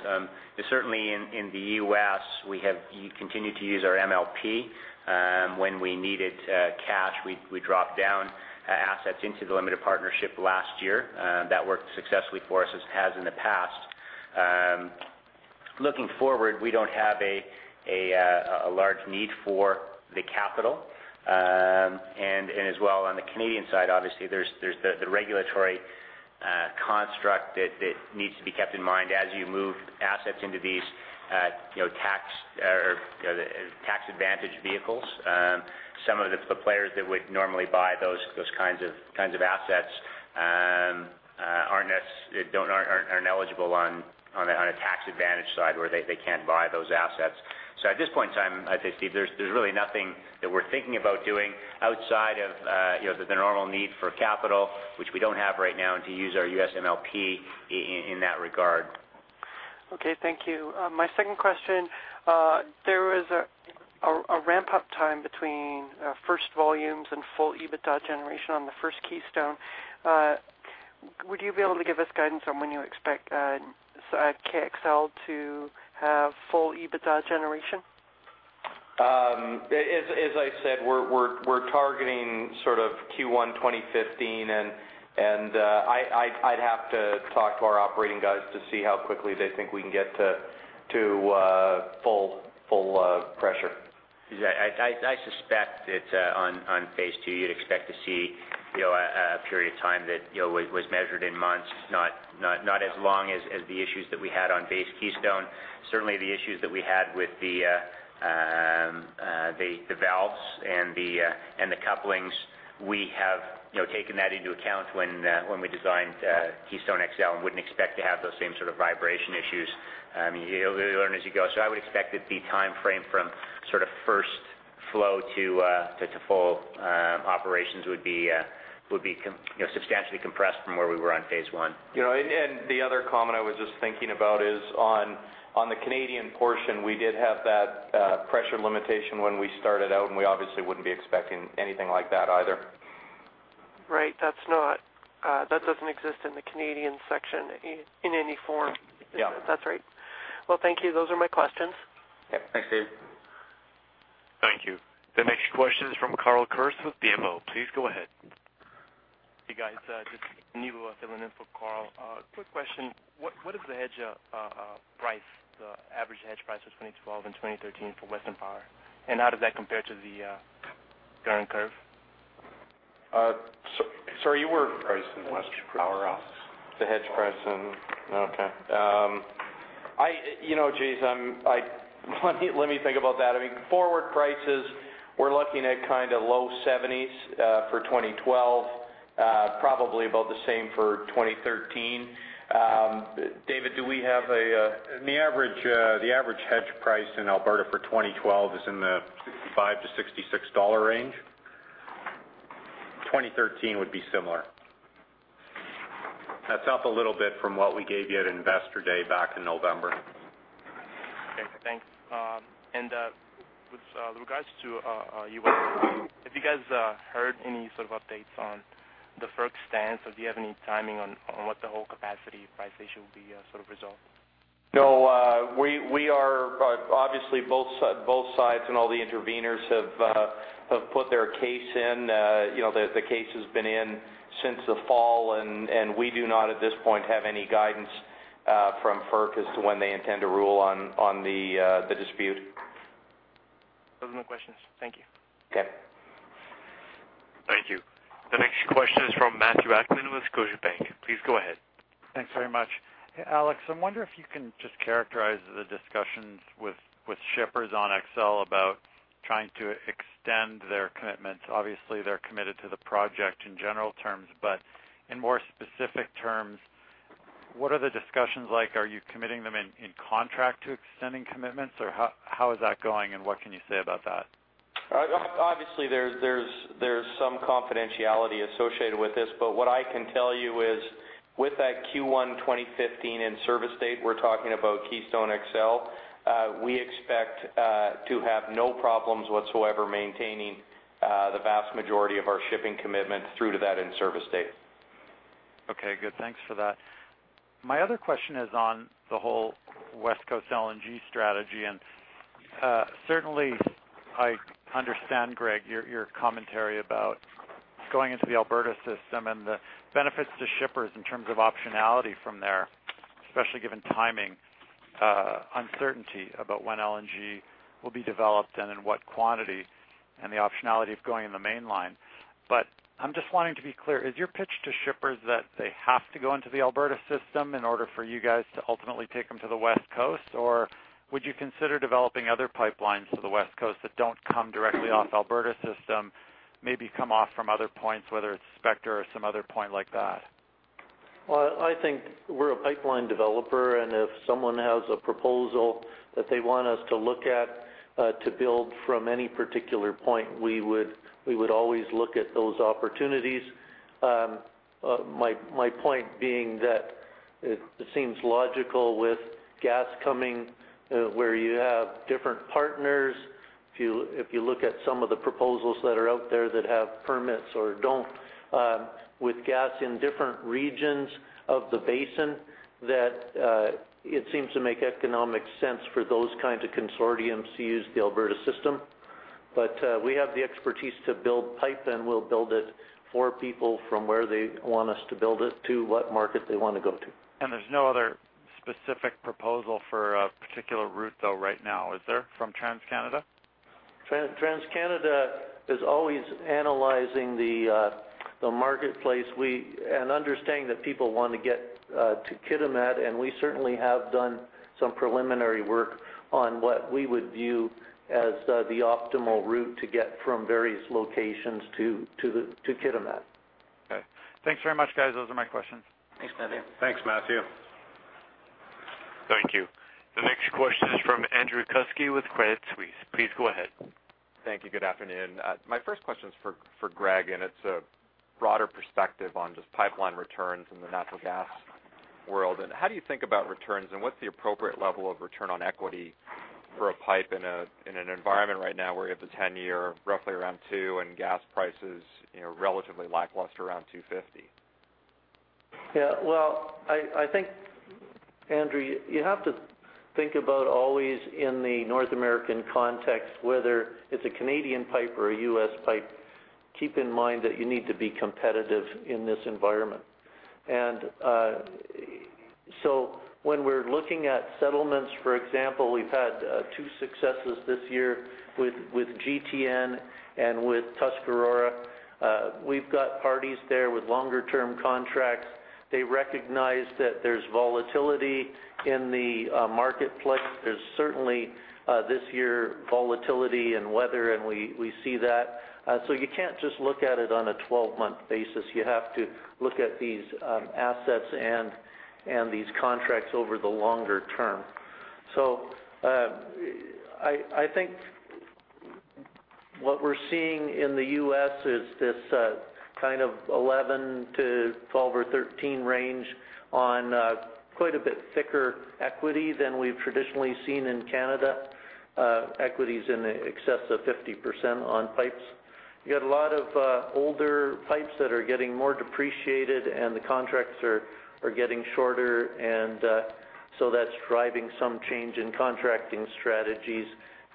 Certainly in the U.S., we have continued to use our MLP. When we needed cash, we dropped down assets into the limited partnership last year. That worked successfully for us as it has in the past. Looking forward, we don't have a large need for the capital. As well, on the Canadian side, obviously there's the regulatory construct that needs to be kept in mind as you move assets into these tax advantage vehicles. Some of the players that would normally buy those kinds of assets are ineligible on a tax advantage side where they can't buy those assets. At this point in time, I'd say, Steve, there's really nothing that we're thinking about doing outside of the normal need for capital, which we don't have right now to use our U.S. MLP in that regard. Okay. Thank you. My second question, there was a ramp-up time between first volumes and full EBITDA generation on the first Keystone. Would you be able to give us guidance on when you expect KXL to have full EBITDA generation? As I said, we're targeting sort of Q1 2015, and I'd have to talk to our operating guys to see how quickly they think we can get to full pressure. I suspect it's on phase II. You'd expect to see a period of time that was measured in months, not as long as the issues that we had on phase Keystone. Certainly, the issues that we had with the valves and the couplings, we have taken that into account when we designed Keystone XL and wouldn't expect to have those same sort of vibration issues. You learn as you go. I would expect that the timeframe from sort of first flow to full operations would be substantially compressed from where we were on phase I. The other comment I was just thinking about is on the Canadian portion. We did have that pressure limitation when we started out, and we obviously wouldn't be expecting anything like that either. Right. That doesn't exist in the Canadian section in any form. Yeah. That's right. Well, thank you. Those are my questions. Yep. Thanks, Steve. Thank you. The next question is from Carl Kirst with BMO. Please go ahead. Hey, guys. Just Nitin Babu filling in for Carl. Quick question. What is the average hedge price for 2012 and 2013 for Western Power? How does that compare to the current curve? Sorry, you were. Price in Western Power. Okay. Let me think about that. Forward prices, we're looking at low 70s for 2012. Probably about the same for 2013. David, do we have a The average hedge price in Alberta for 2012 is in the 65-66 dollar range. 2013 would be similar. That's up a little bit from what we gave you at Investor Day back in November. Okay, thanks. With regards to U.S., have you guys heard any sort of updates on the FERC stance? Or do you have any timing on what the whole capacity price issue will be sort of resolved? No, obviously both sides and all the intervenors have put their case in. The case has been in since the fall, and we do not at this point have any guidance from FERC as to when they intend to rule on the dispute. Those are my questions. Thank you. Okay. Thank you. The next question is from Matthew Akman with Scotiabank. Please go ahead. Thanks very much. Alex, I wonder if you can just characterize the discussions with shippers on XL about trying to extend their commitments. Obviously, they're committed to the project in general terms, but in more specific terms, what are the discussions like? Are you committing them in contract to extending commitments, or how is that going, and what can you say about that? Obviously, there's some confidentiality associated with this, but what I can tell you is with that Q1 2015 in-service date, we're talking about Keystone XL. We expect to have no problems whatsoever maintaining the vast majority of our shipping commitments through to that in-service date. Okay, good. Thanks for that. My other question is on the whole West Coast LNG strategy, and certainly I understand, Greg, your commentary about going into the Alberta System and the benefits to shippers in terms of optionality from there, especially given timing uncertainty about when LNG will be developed and in what quantity, and the optionality of going in the Mainline. I'm just wanting to be clear, is your pitch to shippers that they have to go into the Alberta System in order for you guys to ultimately take them to the West Coast? Or would you consider developing other pipelines to the West Coast that don't come directly off Alberta System, maybe come off from other points, whether it's Spectra or some other point like that? Well, I think we're a pipeline developer, and if someone has a proposal that they want us to look at to build from any particular point, we would always look at those opportunities. My point being that it seems logical with gas coming where you have different partners. If you look at some of the proposals that are out there that have permits or don't, with gas in different regions of the basin, that it seems to make economic sense for those kinds of consortiums to use the Alberta System. We have the expertise to build pipe, and we'll build it for people from where they want us to build it to what market they want to go to. There's no other specific proposal for a particular route, though, right now, is there, from TransCanada? TransCanada is always analyzing the marketplace and understanding that people want to get to Kitimat, and we certainly have done some preliminary work on what we would view as the optimal route to get from various locations to Kitimat. Okay. Thanks very much, guys. Those are my questions. Thanks, Matthew. Thanks, Matthew. Thank you. The next question is from Andrew Kuske with Credit Suisse. Please go ahead. Thank you. Good afternoon. My first question is for Greg, and it's a broader perspective on just pipeline returns in the natural gas world. How do you think about returns, and what's the appropriate level of return on equity for a pipe in an environment right now where you have the 10-year roughly around 2% and gas prices relatively lackluster around $2.50? Yeah. Well, I think, Andrew, you have to think about always in the North American context, whether it's a Canadian pipe or a U.S. pipe, keep in mind that you need to be competitive in this environment. When we're looking at settlements, for example, we've had two successes this year with GTN and with Tuscarora. We've got parties there with longer-term contracts. They recognize that there's volatility in the marketplace. There's certainly, this year, volatility in weather, and we see that. You can't just look at it on a 12-month basis. You have to look at these assets and these contracts over the longer term. I think what we're seeing in the U.S. is this 11%-12% or 13% range on quite a bit thicker equity than we've traditionally seen in Canada, equities in excess of 50% on pipes. You got a lot of older pipes that are getting more depreciated, and the contracts are getting shorter. That's driving some change in contracting strategies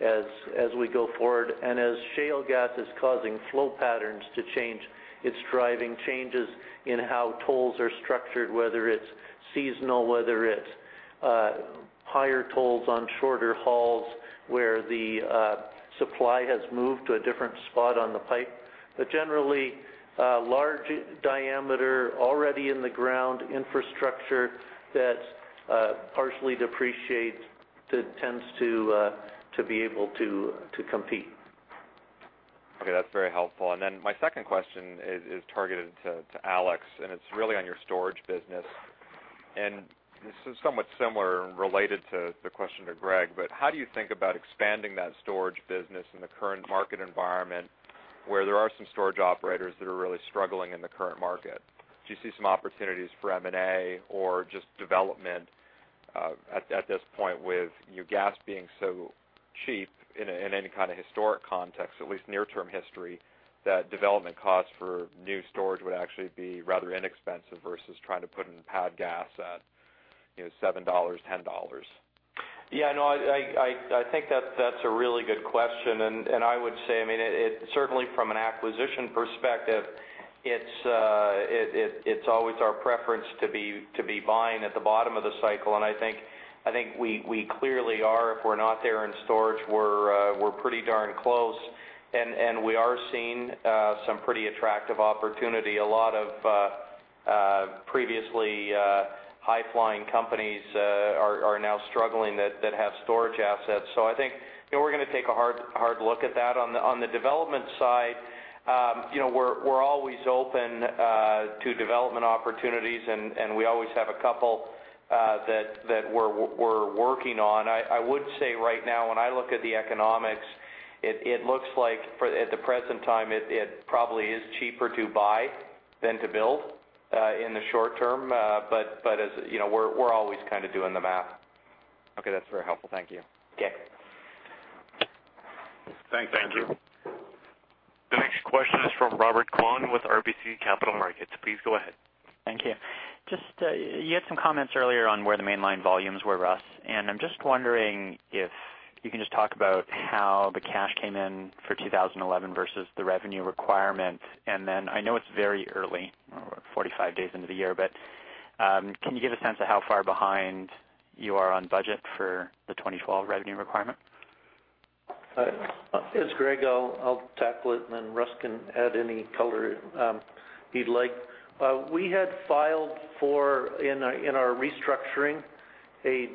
as we go forward. As shale gas is causing flow patterns to change, it's driving changes in how tolls are structured, whether it's seasonal, whether it's higher tolls on shorter hauls where the supply has moved to a different spot on the pipe. Generally, large diameter, already in the ground infrastructure that partially depreciates, tends to be able to compete. Okay. That's very helpful. My second question is targeted to Alex, and it's really on your storage business. This is somewhat similar and related to the question to Greg, but how do you think about expanding that storage business in the current market environment where there are some storage operators that are really struggling in the current market? Do you see some opportunities for M&A or just development at this point with your gas being so cheap in any kind of historic context, at least near-term history, that development costs for new storage would actually be rather inexpensive versus trying to put in pad gas at $7, $10? Yeah, no, I think that's a really good question. I would say, certainly from an acquisition perspective, it's always our preference to be buying at the bottom of the cycle. I think we clearly are. If we're not there in storage, we're pretty darn close, and we are seeing some pretty attractive opportunity. A lot of previously high-flying companies are now struggling that have storage assets. I think we're going to take a hard look at that. On the development side, we're always open to development opportunities, and we always have a couple that we're working on. I would say right now, when I look at the economics, it looks like at the present time, it probably is cheaper to buy than to build in the short term, but we're always kind of doing the math. Okay. That's very helpful. Thank you. Okay. Thanks, Andrew. Thank you. The next question is from Robert Kwan with RBC Capital Markets. Please go ahead. Thank you. You had some comments earlier on where the mainline volumes were, Russ, and I'm just wondering if you can just talk about how the cash came in for 2011 versus the revenue requirement. I know it's very early, we're 45 days into the year, but can you give a sense of how far behind you are on budget for the 2012 revenue requirement? It's Greg. I'll tackle it, and then Russ can add any color he'd like. We had filed for, in our restructuring, a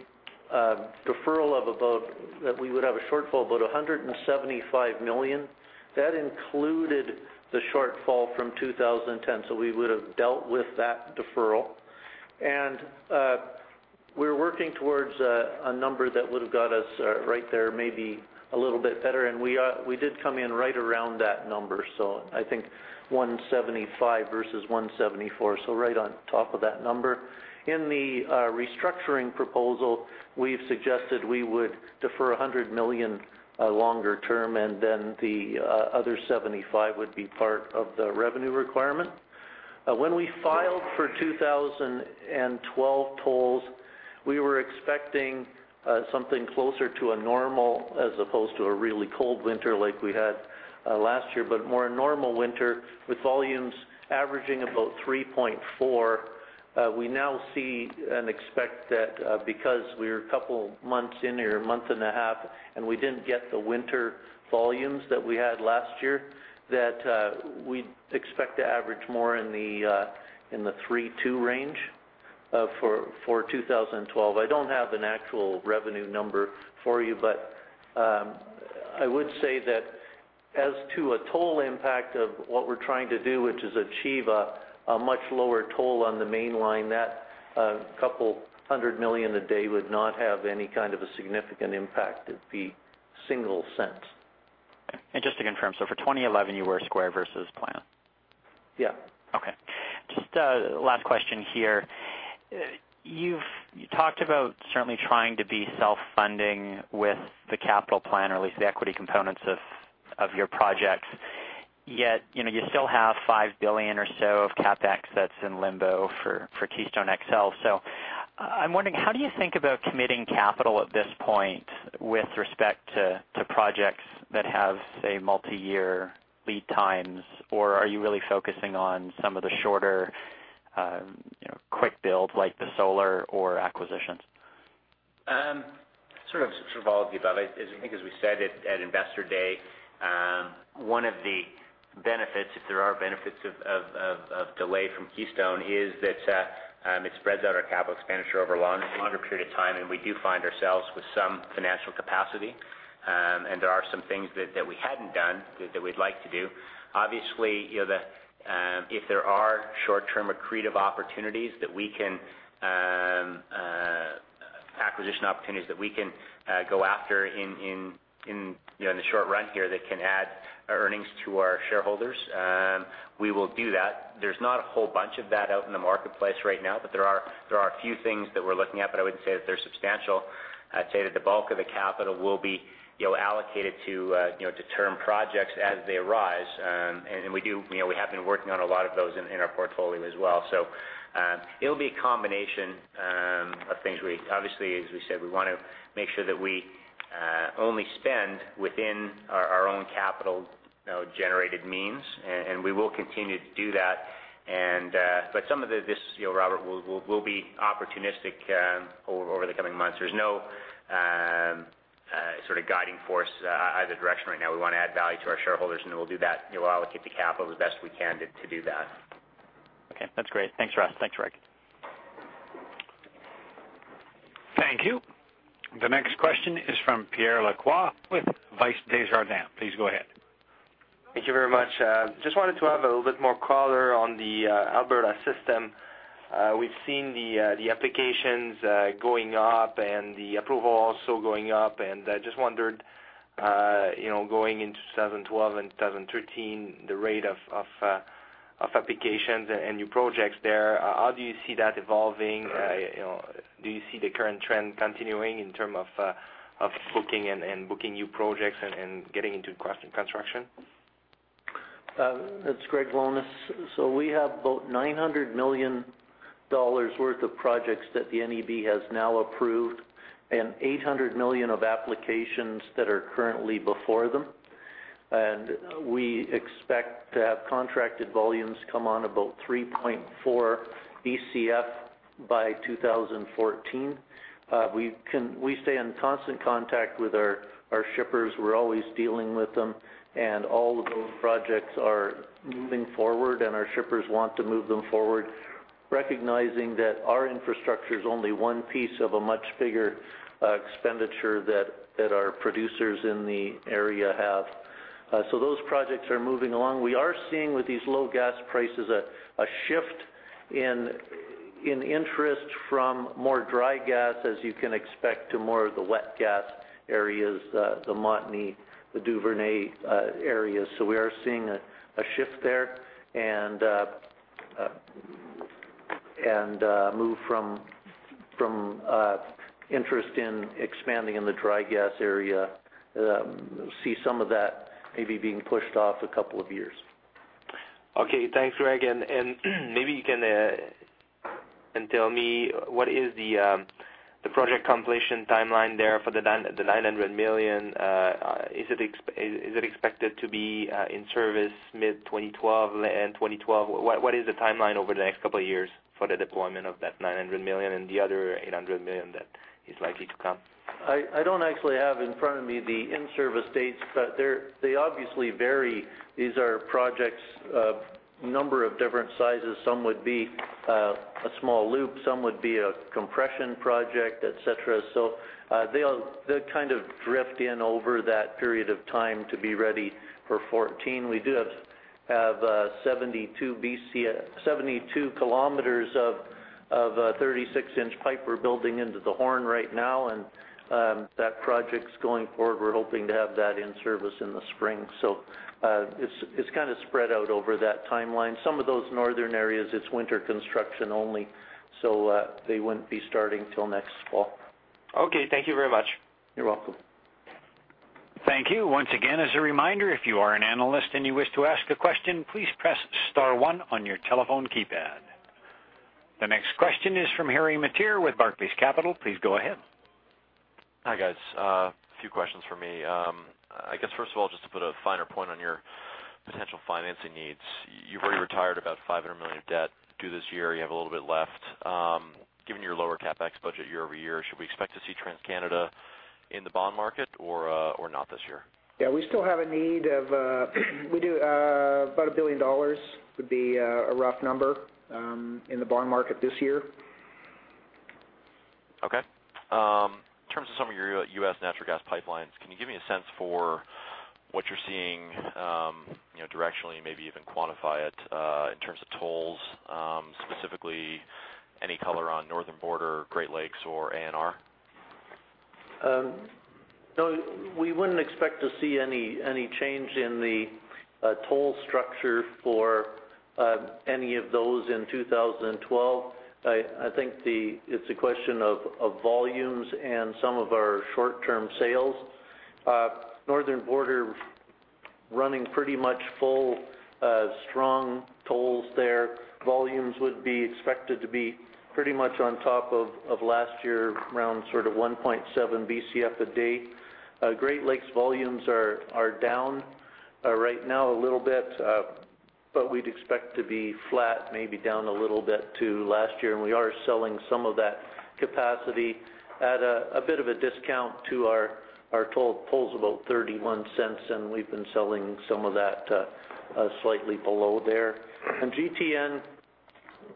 deferral that we would have a shortfall of about 175 million. That included the shortfall from 2010, so we would've dealt with that deferral. We were working towards a number that would've got us right there, maybe a little bit better. We did come in right around that number, so I think 175 versus 174. Right on top of that number. In the restructuring proposal, we've suggested we would defer 100 million longer term, and then the other 75 would be part of the revenue requirement. When we filed for 2012 tolls, we were expecting something closer to a normal, as opposed to a really cold winter like we had last year, but more a normal winter with volumes averaging about 3.4. We now see and expect that because we're a couple months in or a month and a half, and we didn't get the winter volumes that we had last year, that we'd expect to average more in the 3.2 range for 2012. I don't have an actual revenue number for you, but I would say that as to a toll impact of what we're trying to do, which is achieve a much lower toll on the main line, that 200 million a day would not have any kind of a significant impact. It'd be single cents. Okay. Just to confirm, so for 2011 you were square versus plan? Yeah. Okay. Just a last question here. You talked about certainly trying to be self-funding with the capital plan or at least the equity components of your projects, yet you still have $5 billion or so of CapEx that's in limbo for Keystone XL. I'm wondering, how do you think about committing capital at this point with respect to projects that have, say, multi-year lead times, or are you really focusing on some of the shorter, quick build like the solar or acquisitions? Sort of all of the above. I think as we said at Investor Day, one of the benefits, if there are benefits of delay from Keystone, is that it spreads out our capital expenditure over a longer period of time, and we do find ourselves with some financial capacity. There are some things that we hadn't done that we'd like to do. Obviously, if there are short-term accretive acquisition opportunities that we can go after in the short run here that can add earnings to our shareholders, we will do that. There's not a whole bunch of that out in the marketplace right now, but there are a few things that we're looking at, but I wouldn't say that they're substantial. I'd say that the bulk of the capital will be allocated to term projects as they arise. We have been working on a lot of those in our portfolio as well. It'll be a combination of things. Obviously, as we said, we want to make sure that we only spend within our own capital-generated means, and we will continue to do that. Some of this, Robert, will be opportunistic over the coming months. There's no sort of guiding force either direction right now. We want to add value to our shareholders, and we'll allocate the capital as best we can to do that. Okay. That's great. Thanks, Russ. Thanks, Greg. Thank you. The next question is from Pierre Lacroix with Desjardins. Please go ahead. Thank you very much. Just wanted to have a little bit more color on the Alberta System. We've seen the applications going up and the approvals also going up, and just wondered, going into 2012 and 2013, the rate of applications and new projects there, how do you see that evolving? Do you see the current trend continuing in terms of booking new projects and getting into construction? It's Gregory Lohnes. We have about 900 million dollars worth of projects that the NEB has now approved and 800 million of applications that are currently before them. We expect to have contracted volumes come on about 3.4 BCF by 2014. We stay in constant contact with our shippers. We're always dealing with them, and all of those projects are moving forward, and our shippers want to move them forward, recognizing that our infrastructure's only one piece of a much bigger expenditure that our producers in the area have. Those projects are moving along. We are seeing with these low gas prices, a shift in interest from more dry gas, as you can expect, to more of the wet gas areas, the Montney, the Duvernay areas. We are seeing a shift there and a move from interest in expanding in the dry gas area. See some of that maybe being pushed off a couple of years. Okay. Thanks, Greg, and maybe you can tell me what is the project completion timeline there for the 900 million? Is it expected to be in service mid 2012, end 2012? What is the timeline over the next couple of years for the deployment of that 900 million and the other 800 million that is likely to come? I don't actually have in front of me the in-service dates, but they obviously vary. These are projects of a number of different sizes. Some would be a small loop, some would be a compression project, et cetera. They'll kind of drift in over that period of time to be ready for 2014. We do have 72 km of 36-inch pipe we're building into the Horn right now, and that project's going forward. We're hoping to have that in service in the spring. It's kind of spread out over that timeline. Some of those northern areas, it's winter construction only, so they wouldn't be starting till next fall. Okay. Thank you very much. You're welcome. Thank you. Once again, as a reminder, if you are an analyst and you wish to ask a question, please press star one on your telephone keypad. The next question is from Harry Mateer with Barclays Capital. Please go ahead. Hi, guys. A few questions from me. I guess, first of all, just to put a finer point on your potential financing needs. You've already retired about 500 million of debt due this year. You have a little bit left. Given your lower CapEx budget year-over-year, should we expect to see TransCanada in the bond market or not this year? Yeah, we still have a need of about 1 billion dollars, would be a rough number, in the bond market this year. Okay. In terms of some of your U.S. natural gas pipelines, can you give me a sense for what you're seeing directionally, maybe even quantify it in terms of tolls, specifically any color on Northern Border, Great Lakes or ANR? No, we wouldn't expect to see any change in the toll structure for any of those in 2012. I think it's a question of volumes and some of our short-term sales. Northern Border running pretty much full, strong tolls there. Volumes would be expected to be pretty much on top of last year, around sort of 1.7 BCF a day. Great Lakes volumes are down right now a little bit, but we'd expect to be flat, maybe down a little bit to last year, and we are selling some of that capacity at a bit of a discount to our toll. Toll's about $0.31, and we've been selling some of that slightly below there. GTN,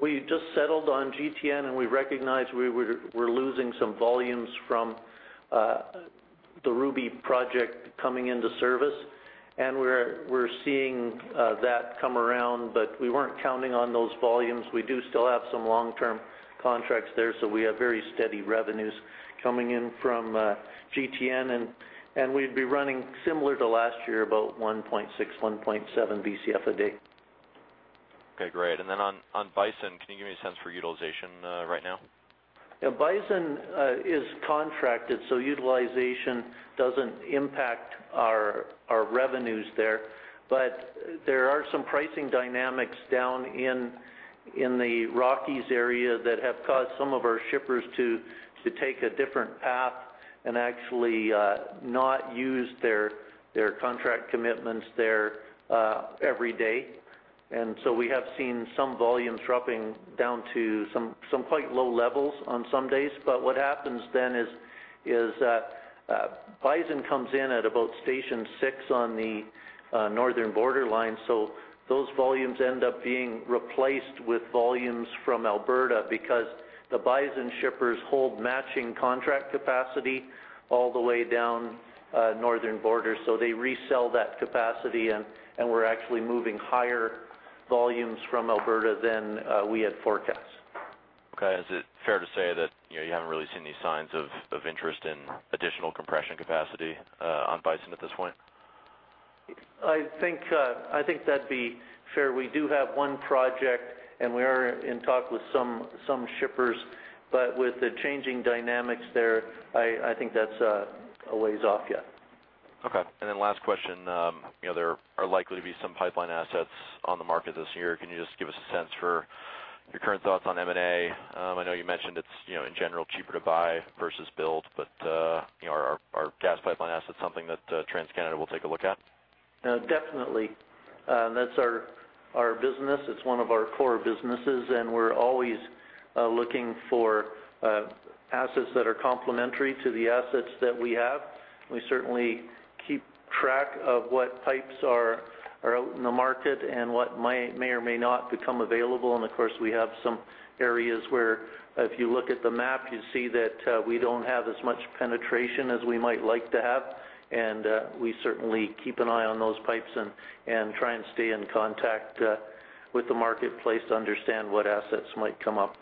we just settled on GTN, and we recognize we're losing some volumes from the Ruby project coming into service, and we're seeing that come around, but we weren't counting on those volumes. We do still have some long-term contracts there, so we have very steady revenues coming in from GTN, and we'd be running similar to last year, about 1.6-1.7 Bcf a day. Okay, great. On Bison, can you give me a sense for utilization right now? Yeah. Bison is contracted, so utilization doesn't impact our revenues there. There are some pricing dynamics down in the Rockies area that have caused some of our shippers to take a different path and actually not use their contract commitments there every day. We have seen some volumes dropping down to some quite low levels on some days. What happens then is that Bison comes in at about station six on the Northern Border, so those volumes end up being replaced with volumes from Alberta because the Bison shippers hold matching contract capacity all the way down Northern Border. They resell that capacity, and we're actually moving higher volumes from Alberta than we had forecast. Okay. Is it fair to say that you haven't really seen any signs of interest in additional compression capacity on Bison at this point? I think that'd be fair. We do have one project, and we are in talks with some shippers. With the changing dynamics there, I think that's a ways off yet. Okay. Last question. There are likely to be some pipeline assets on the market this year. Can you just give us a sense for your current thoughts on M&A? I know you mentioned it's in general cheaper to buy versus build, but are gas pipeline assets something that TransCanada will take a look at? Definitely. That's our business. It's one of our core businesses, and we're always looking for assets that are complementary to the assets that we have. We certainly keep track of what pipes are out in the market and what may or may not become available. Of course, we have some areas where, if you look at the map, you see that we don't have as much penetration as we might like to have. We certainly keep an eye on those pipes and try and stay in contact with the marketplace to understand what assets might come up.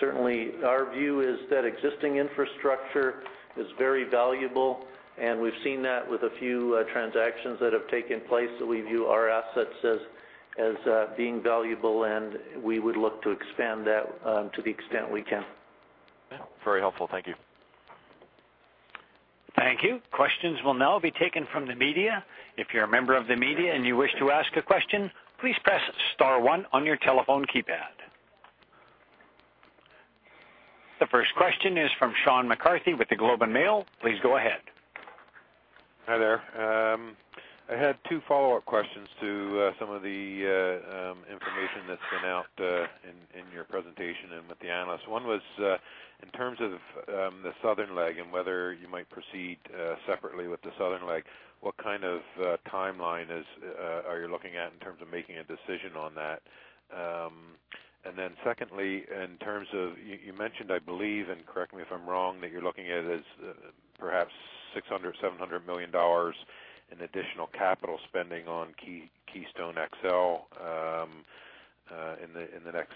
Certainly, our view is that existing infrastructure is very valuable, and we've seen that with a few transactions that have taken place, that we view our assets as being valuable, and we would look to expand that to the extent we can. Yeah. Very helpful. Thank you. Thank you. Questions will now be taken from the media. If you're a member of the media and you wish to ask a question, please press star one on your telephone keypad. The first question is from Shawn McCarthy with The Globe and Mail. Please go ahead. Hi there. I had two follow-up questions to some of the information that's been out in your presentation and with the analysts. One was, in terms of the Southern leg and whether you might proceed separately with the Southern leg, what kind of timeline are you looking at in terms of making a decision on that? And then secondly, in terms of, you mentioned, I believe, and correct me if I'm wrong, that you're looking at is perhaps $600-$700 million in additional capital spending on Keystone XL in the next,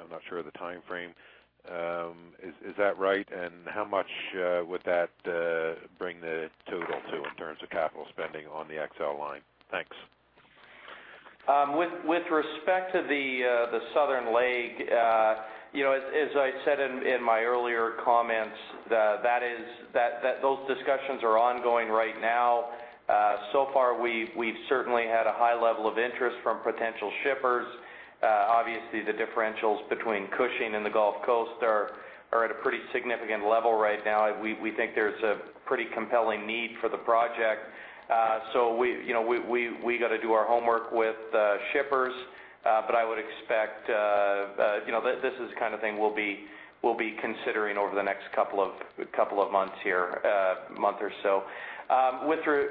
I'm not sure of the timeframe. Is that right? And how much would that bring the total to in terms of capital spending on the XL line? Thanks. With respect to the Southern Leg, as I said in my earlier comments, those discussions are ongoing right now. So far we've certainly had a high level of interest from potential shippers. Obviously, the differentials between Cushing and the Gulf Coast are at a pretty significant level right now. We think there's a pretty compelling need for the project. We got to do our homework with shippers. I would expect this is the kind of thing we'll be considering over the next couple of months here, month or so. Sorry,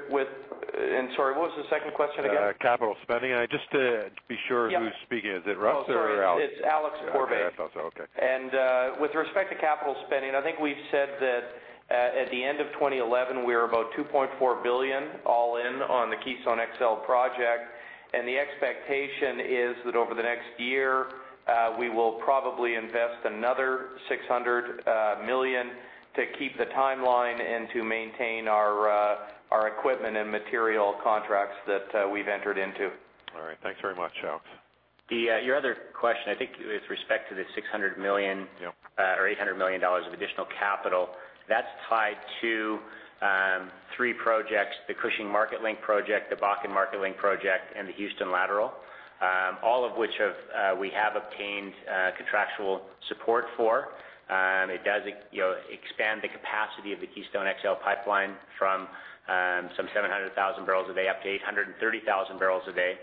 what was the second question again? Capital spending. Just to be sure, who's speaking? Is it Russ or Alex? Oh, sorry. It's Alex Pourbaix. That's also okay. With respect to capital spending, I think we've said that at the end of 2011, we're about 2.4 billion all-in on the Keystone XL project, and the expectation is that over the next year, we will probably invest another 600 million to keep the timeline and to maintain our equipment and material contracts that we've entered into. All right. Thanks very much, Alex. Your other question, I think, with respect to the 600 million. Yep. Or $800 million of additional capital, that's tied to three projects, the Cushing MarketLink project, the Bakken Marketlink project, and the Houston Lateral. All of which we have obtained contractual support for. It does expand the capacity of the Keystone XL pipeline from some 700,000 bbl a day up to 830,000 bbl a day,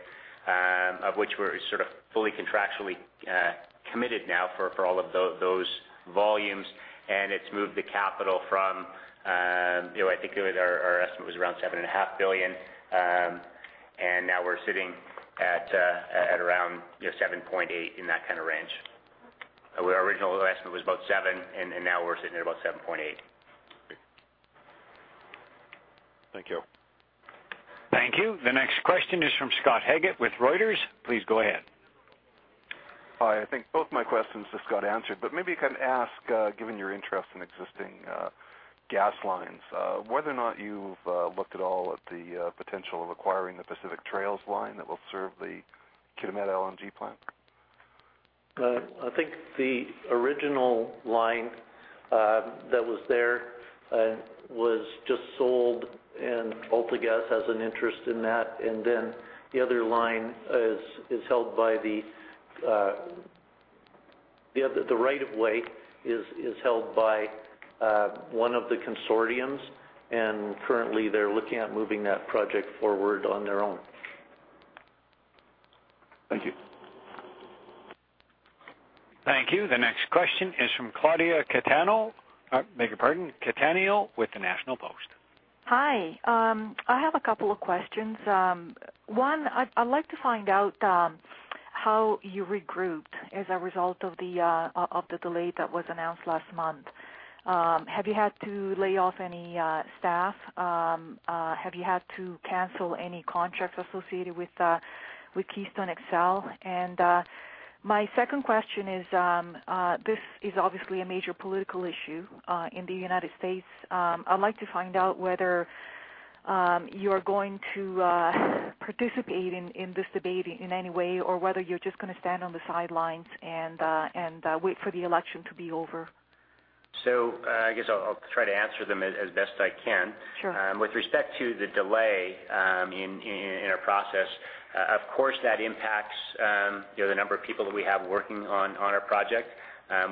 of which we're sort of fully contractually committed now for all of those volumes. It's moved the capital from, I think our estimate was around $7.5 billion. Now we're sitting at around $7.8 billion in that kind of range. Our original estimate was about $7 billion, and now we're sitting at about $7.8 billion. Thank you. Thank you. The next question is from Scott Haggett with Reuters. Please go ahead. Hi, I think both my questions just got answered, but maybe I can ask, given your interest in existing gas lines, whether or not you've looked at all at the potential of acquiring the Pacific Trails line that will serve the Kitimat LNG plant? I think the original line that was there was just sold, and AltaGas has an interest in that. The other line, the right of way is held by one of the consortiums, and currently they're looking at moving that project forward on their own. Thank you. Thank you. The next question is from Claudia Cattaneo with the National Post. Hi. I have a couple of questions. One, I'd like to find out how you regrouped as a result of the delay that was announced last month. Have you had to lay off any staff? Have you had to cancel any contracts associated with Keystone XL? My second question is, this is obviously a major political issue in the United States. I'd like to find out whether you're going to participate in this debate in any way or whether you're just going to stand on the sidelines and wait for the election to be over. I guess I'll try to answer them as best I can. Sure. With respect to the delay in our process, of course, that impacts the number of people that we have working on our project.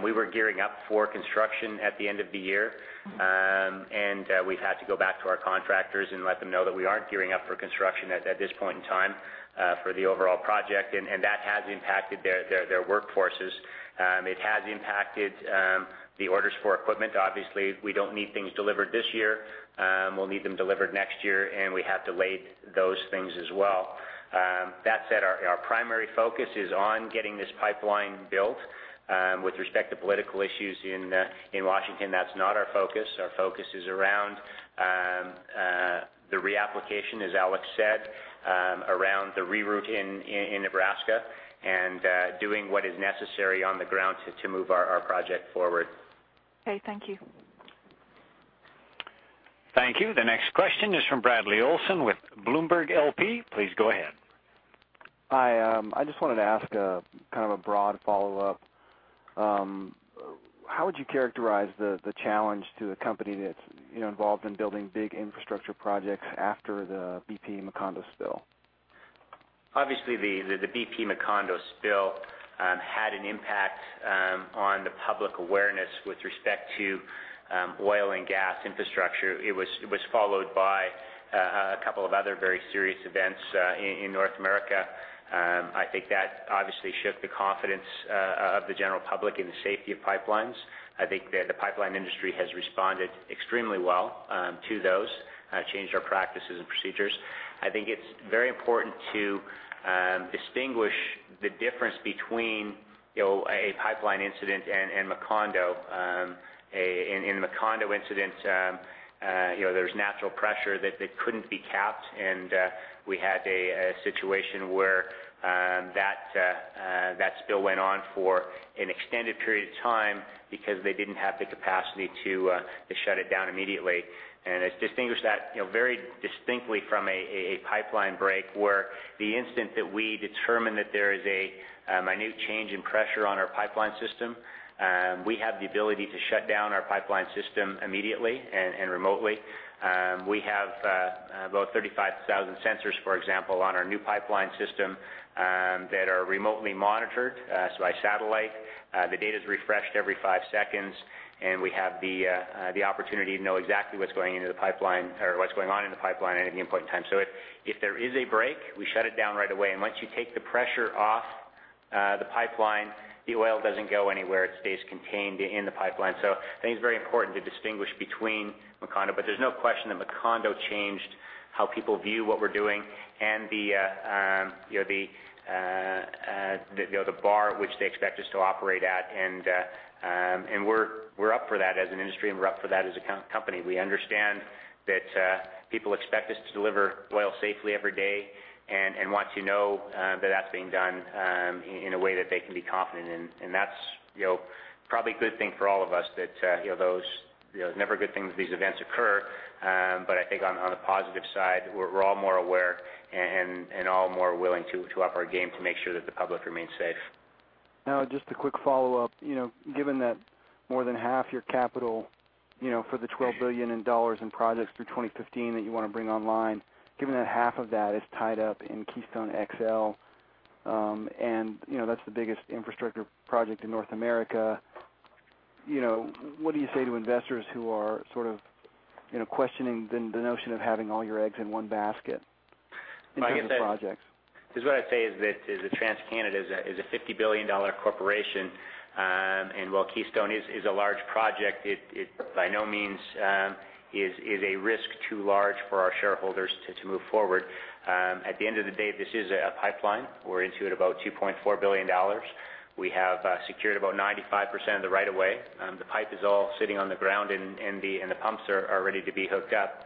We were gearing up for construction at the end of the year. Mm-hmm. We've had to go back to our contractors and let them know that we aren't gearing up for construction at this point in time for the overall project, and that has impacted their workforces. It has impacted the orders for equipment. Obviously, we don't need things delivered this year. We'll need them delivered next year, and we have delayed those things as well. That said, our primary focus is on getting this pipeline built. With respect to political issues in Washington, that's not our focus. Our focus is around the reapplication, as Alex said, around the reroute in Nebraska and doing what is necessary on the ground to move our project forward. Okay. Thank you. Thank you. The next question is from Bradley Olson with Bloomberg LP. Please go ahead. Hi. I just wanted to ask a broad follow-up. How would you characterize the challenge to a company that's involved in building big infrastructure projects after the BP Macondo spill? Obviously, the BP Macondo spill had an impact on the public awareness with respect to oil and gas infrastructure. It was followed by a couple of other very serious events in North America. I think that obviously shook the confidence of the general public in the safety of pipelines. I think the pipeline industry has responded extremely well to those, changed our practices and procedures. I think it's very important to distinguish the difference between a pipeline incident in Macondo. In the Macondo incident, there's natural pressure that couldn't be capped, and we had a situation where that spill went on for an extended period of time because they didn't have the capacity to shut it down immediately. I distinguish that very distinctly from a pipeline break, where the instant that we determine that there is a minute change in pressure on our pipeline system, we have the ability to shut down our pipeline system immediately and remotely. We have about 35,000 sensors, for example, on our new pipeline system that are remotely monitored, so by satellite. The data's refreshed every five seconds, and we have the opportunity to know exactly what's going into the pipeline or what's going on in the pipeline at any important time. If there is a break, we shut it down right away. Once you take the pressure off the pipeline, the oil doesn't go anywhere. It stays contained in the pipeline. I think it's very important to distinguish between Macondo. There's no question that Macondo changed how people view what we're doing and the bar at which they expect us to operate at. We're up for that as an industry, and we're up for that as a company. We understand that people expect us to deliver oil safely every day and want to know that that's being done in a way that they can be confident in. That's probably a good thing for all of us. It's never a good thing that these events occur, but I think on the positive side, we're all more aware and all more willing to up our game to make sure that the public remains safe. Now, just a quick follow-up. Given that more than half your capital for the $12 billion in projects through 2015 that you want to bring online, given that half of that is tied up in Keystone XL, and that's the biggest infrastructure project in North America, what do you say to investors who are sort of questioning the notion of having all your eggs in one basket in terms of projects? This is what I'd say is that TransCanada is a $50 billion corporation. While Keystone is a large project, it by no means is a risk too large for our shareholders to move forward. At the end of the day, this is a pipeline. We're into it about $2.4 billion. We have secured about 95% of the right of way. The pipe is all sitting on the ground, and the pumps are ready to be hooked up.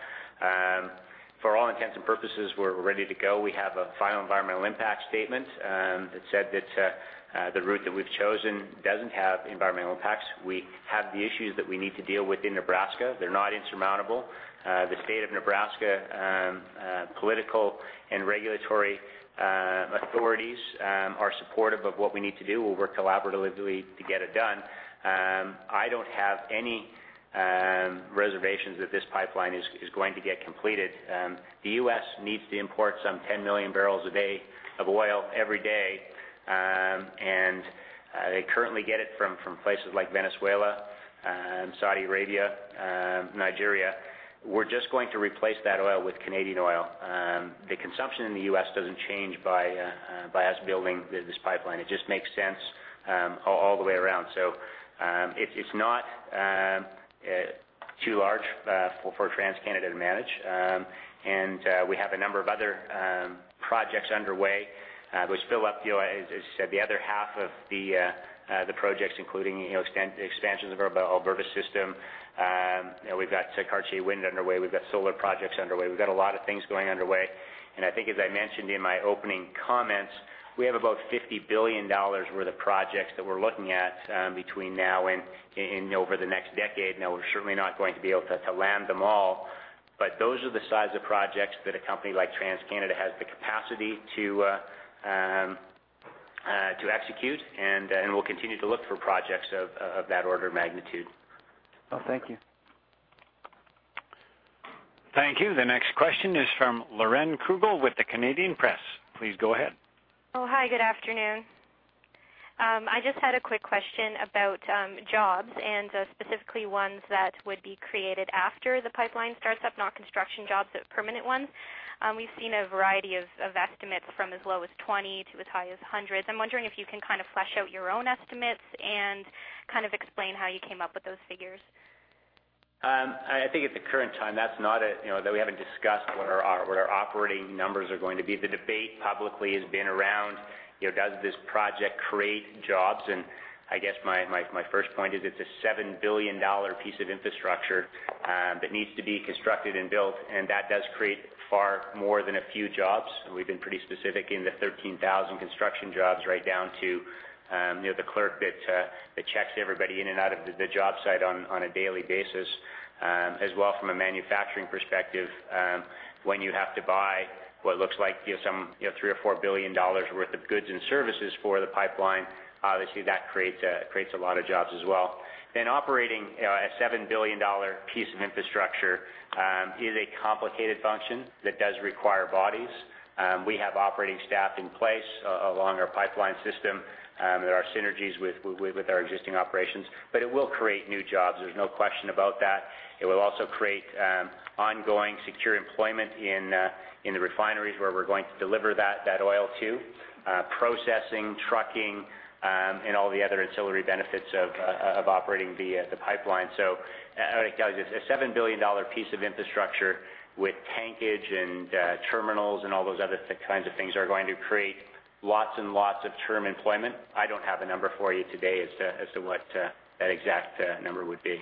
For all intents and purposes, we're ready to go. We have a Final Environmental Impact Statement that said that the route that we've chosen doesn't have environmental impacts. We have the issues that we need to deal with in Nebraska. They're not insurmountable. The state of Nebraska, political and regulatory authorities are supportive of what we need to do. We'll work collaboratively to get it done. I don't have any reservations that this pipeline is going to get completed. The U.S. needs to import some 10 million bbl a day of oil every day, and they currently get it from places like Venezuela, Saudi Arabia, Nigeria. We're just going to replace that oil with Canadian oil. The consumption in the U.S. doesn't change by us building this pipeline. It just makes sense all the way around. It's not too large for TransCanada to manage. We have a number of other projects underway, which fill up, as you said, the other half of the projects, including expansions of our Alberta System. We've got Cartier Wind underway. We've got solar projects underway. We've got a lot of things going underway. I think, as I mentioned in my opening comments, we have about 50 billion dollars worth of projects that we're looking at between now and over the next decade. Now, we're certainly not going to be able to land them all, but those are the size of projects that a company like TransCanada has the capacity to execute, and we'll continue to look for projects of that order of magnitude. Well, thank you. Thank you. The next question is from Lauren Krugel with The Canadian Press. Please go ahead. Oh, hi. Good afternoon. I just had a quick question about jobs and specifically ones that would be created after the pipeline starts up, not construction jobs, but permanent ones. We've seen a variety of estimates from as low as 20 to as high as 100. I'm wondering if you can kind of flesh out your own estimates and explain how you came up with those figures. I think at the current time, that we haven't discussed what our operating numbers are going to be. The debate publicly has been around, does this project create jobs? I guess my first point is it's a $7 billion piece of infrastructure that needs to be constructed and built, and that does create far more than a few jobs. We've been pretty specific in the 13,000 construction jobs right down to the clerk that checks everybody in and out of the job site on a daily basis. As well from a manufacturing perspective, when you have to buy what looks like some $3 billion or $4 billion worth of goods and services for the pipeline, obviously that creates a lot of jobs as well. Operating a $7 billion piece of infrastructure is a complicated function that does require bodies. We have operating staff in place along our pipeline system. There are synergies with our existing operations, but it will create new jobs. There's no question about that. It will also create ongoing secure employment in the refineries where we're going to deliver that oil to, processing, trucking, and all the other ancillary benefits of operating the pipeline. Guys, it's a $7 billion piece of infrastructure with tankage and terminals and all those other kinds of things are going to create lots and lots of term employment. I don't have a number for you today as to what that exact number would be.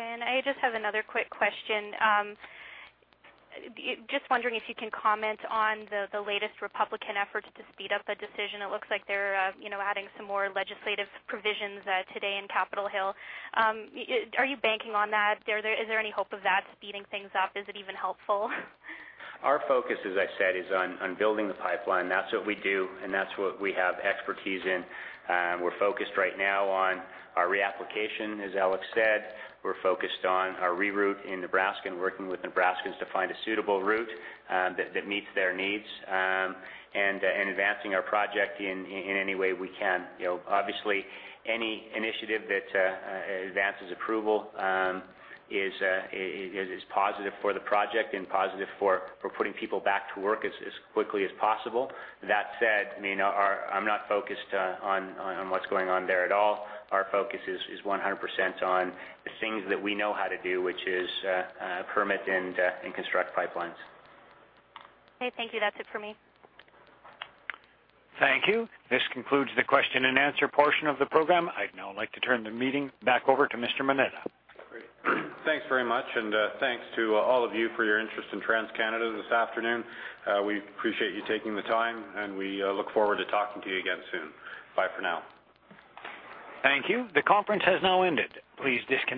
I just have another quick question. Just wondering if you can comment on the latest Republican efforts to speed up a decision. It looks like they're adding some more legislative provisions today in Capitol Hill. Are you banking on that? Is there any hope of that speeding things up? Is it even helpful? Our focus, as I said, is on building the pipeline. That's what we do, and that's what we have expertise in. We're focused right now on our reapplication, as Alex said. We're focused on our reroute in Nebraska and working with Nebraskans to find a suitable route that meets their needs, and advancing our project in any way we can. Obviously, any initiative that advances approval is positive for the project and positive for putting people back to work as quickly as possible. That said, I'm not focused on what's going on there at all. Our focus is 100% on the things that we know how to do, which is permit and construct pipelines. Okay, thank you. That's it for me. Thank you. This concludes the question and answer portion of the program. I'd now like to turn the meeting back over to Mr. Moneta. Great. Thanks very much. Thanks to all of you for your interest in TransCanada this afternoon. We appreciate you taking the time, and we look forward to talking to you again soon. Bye for now. Thank you. The conference has now ended. Please disconnect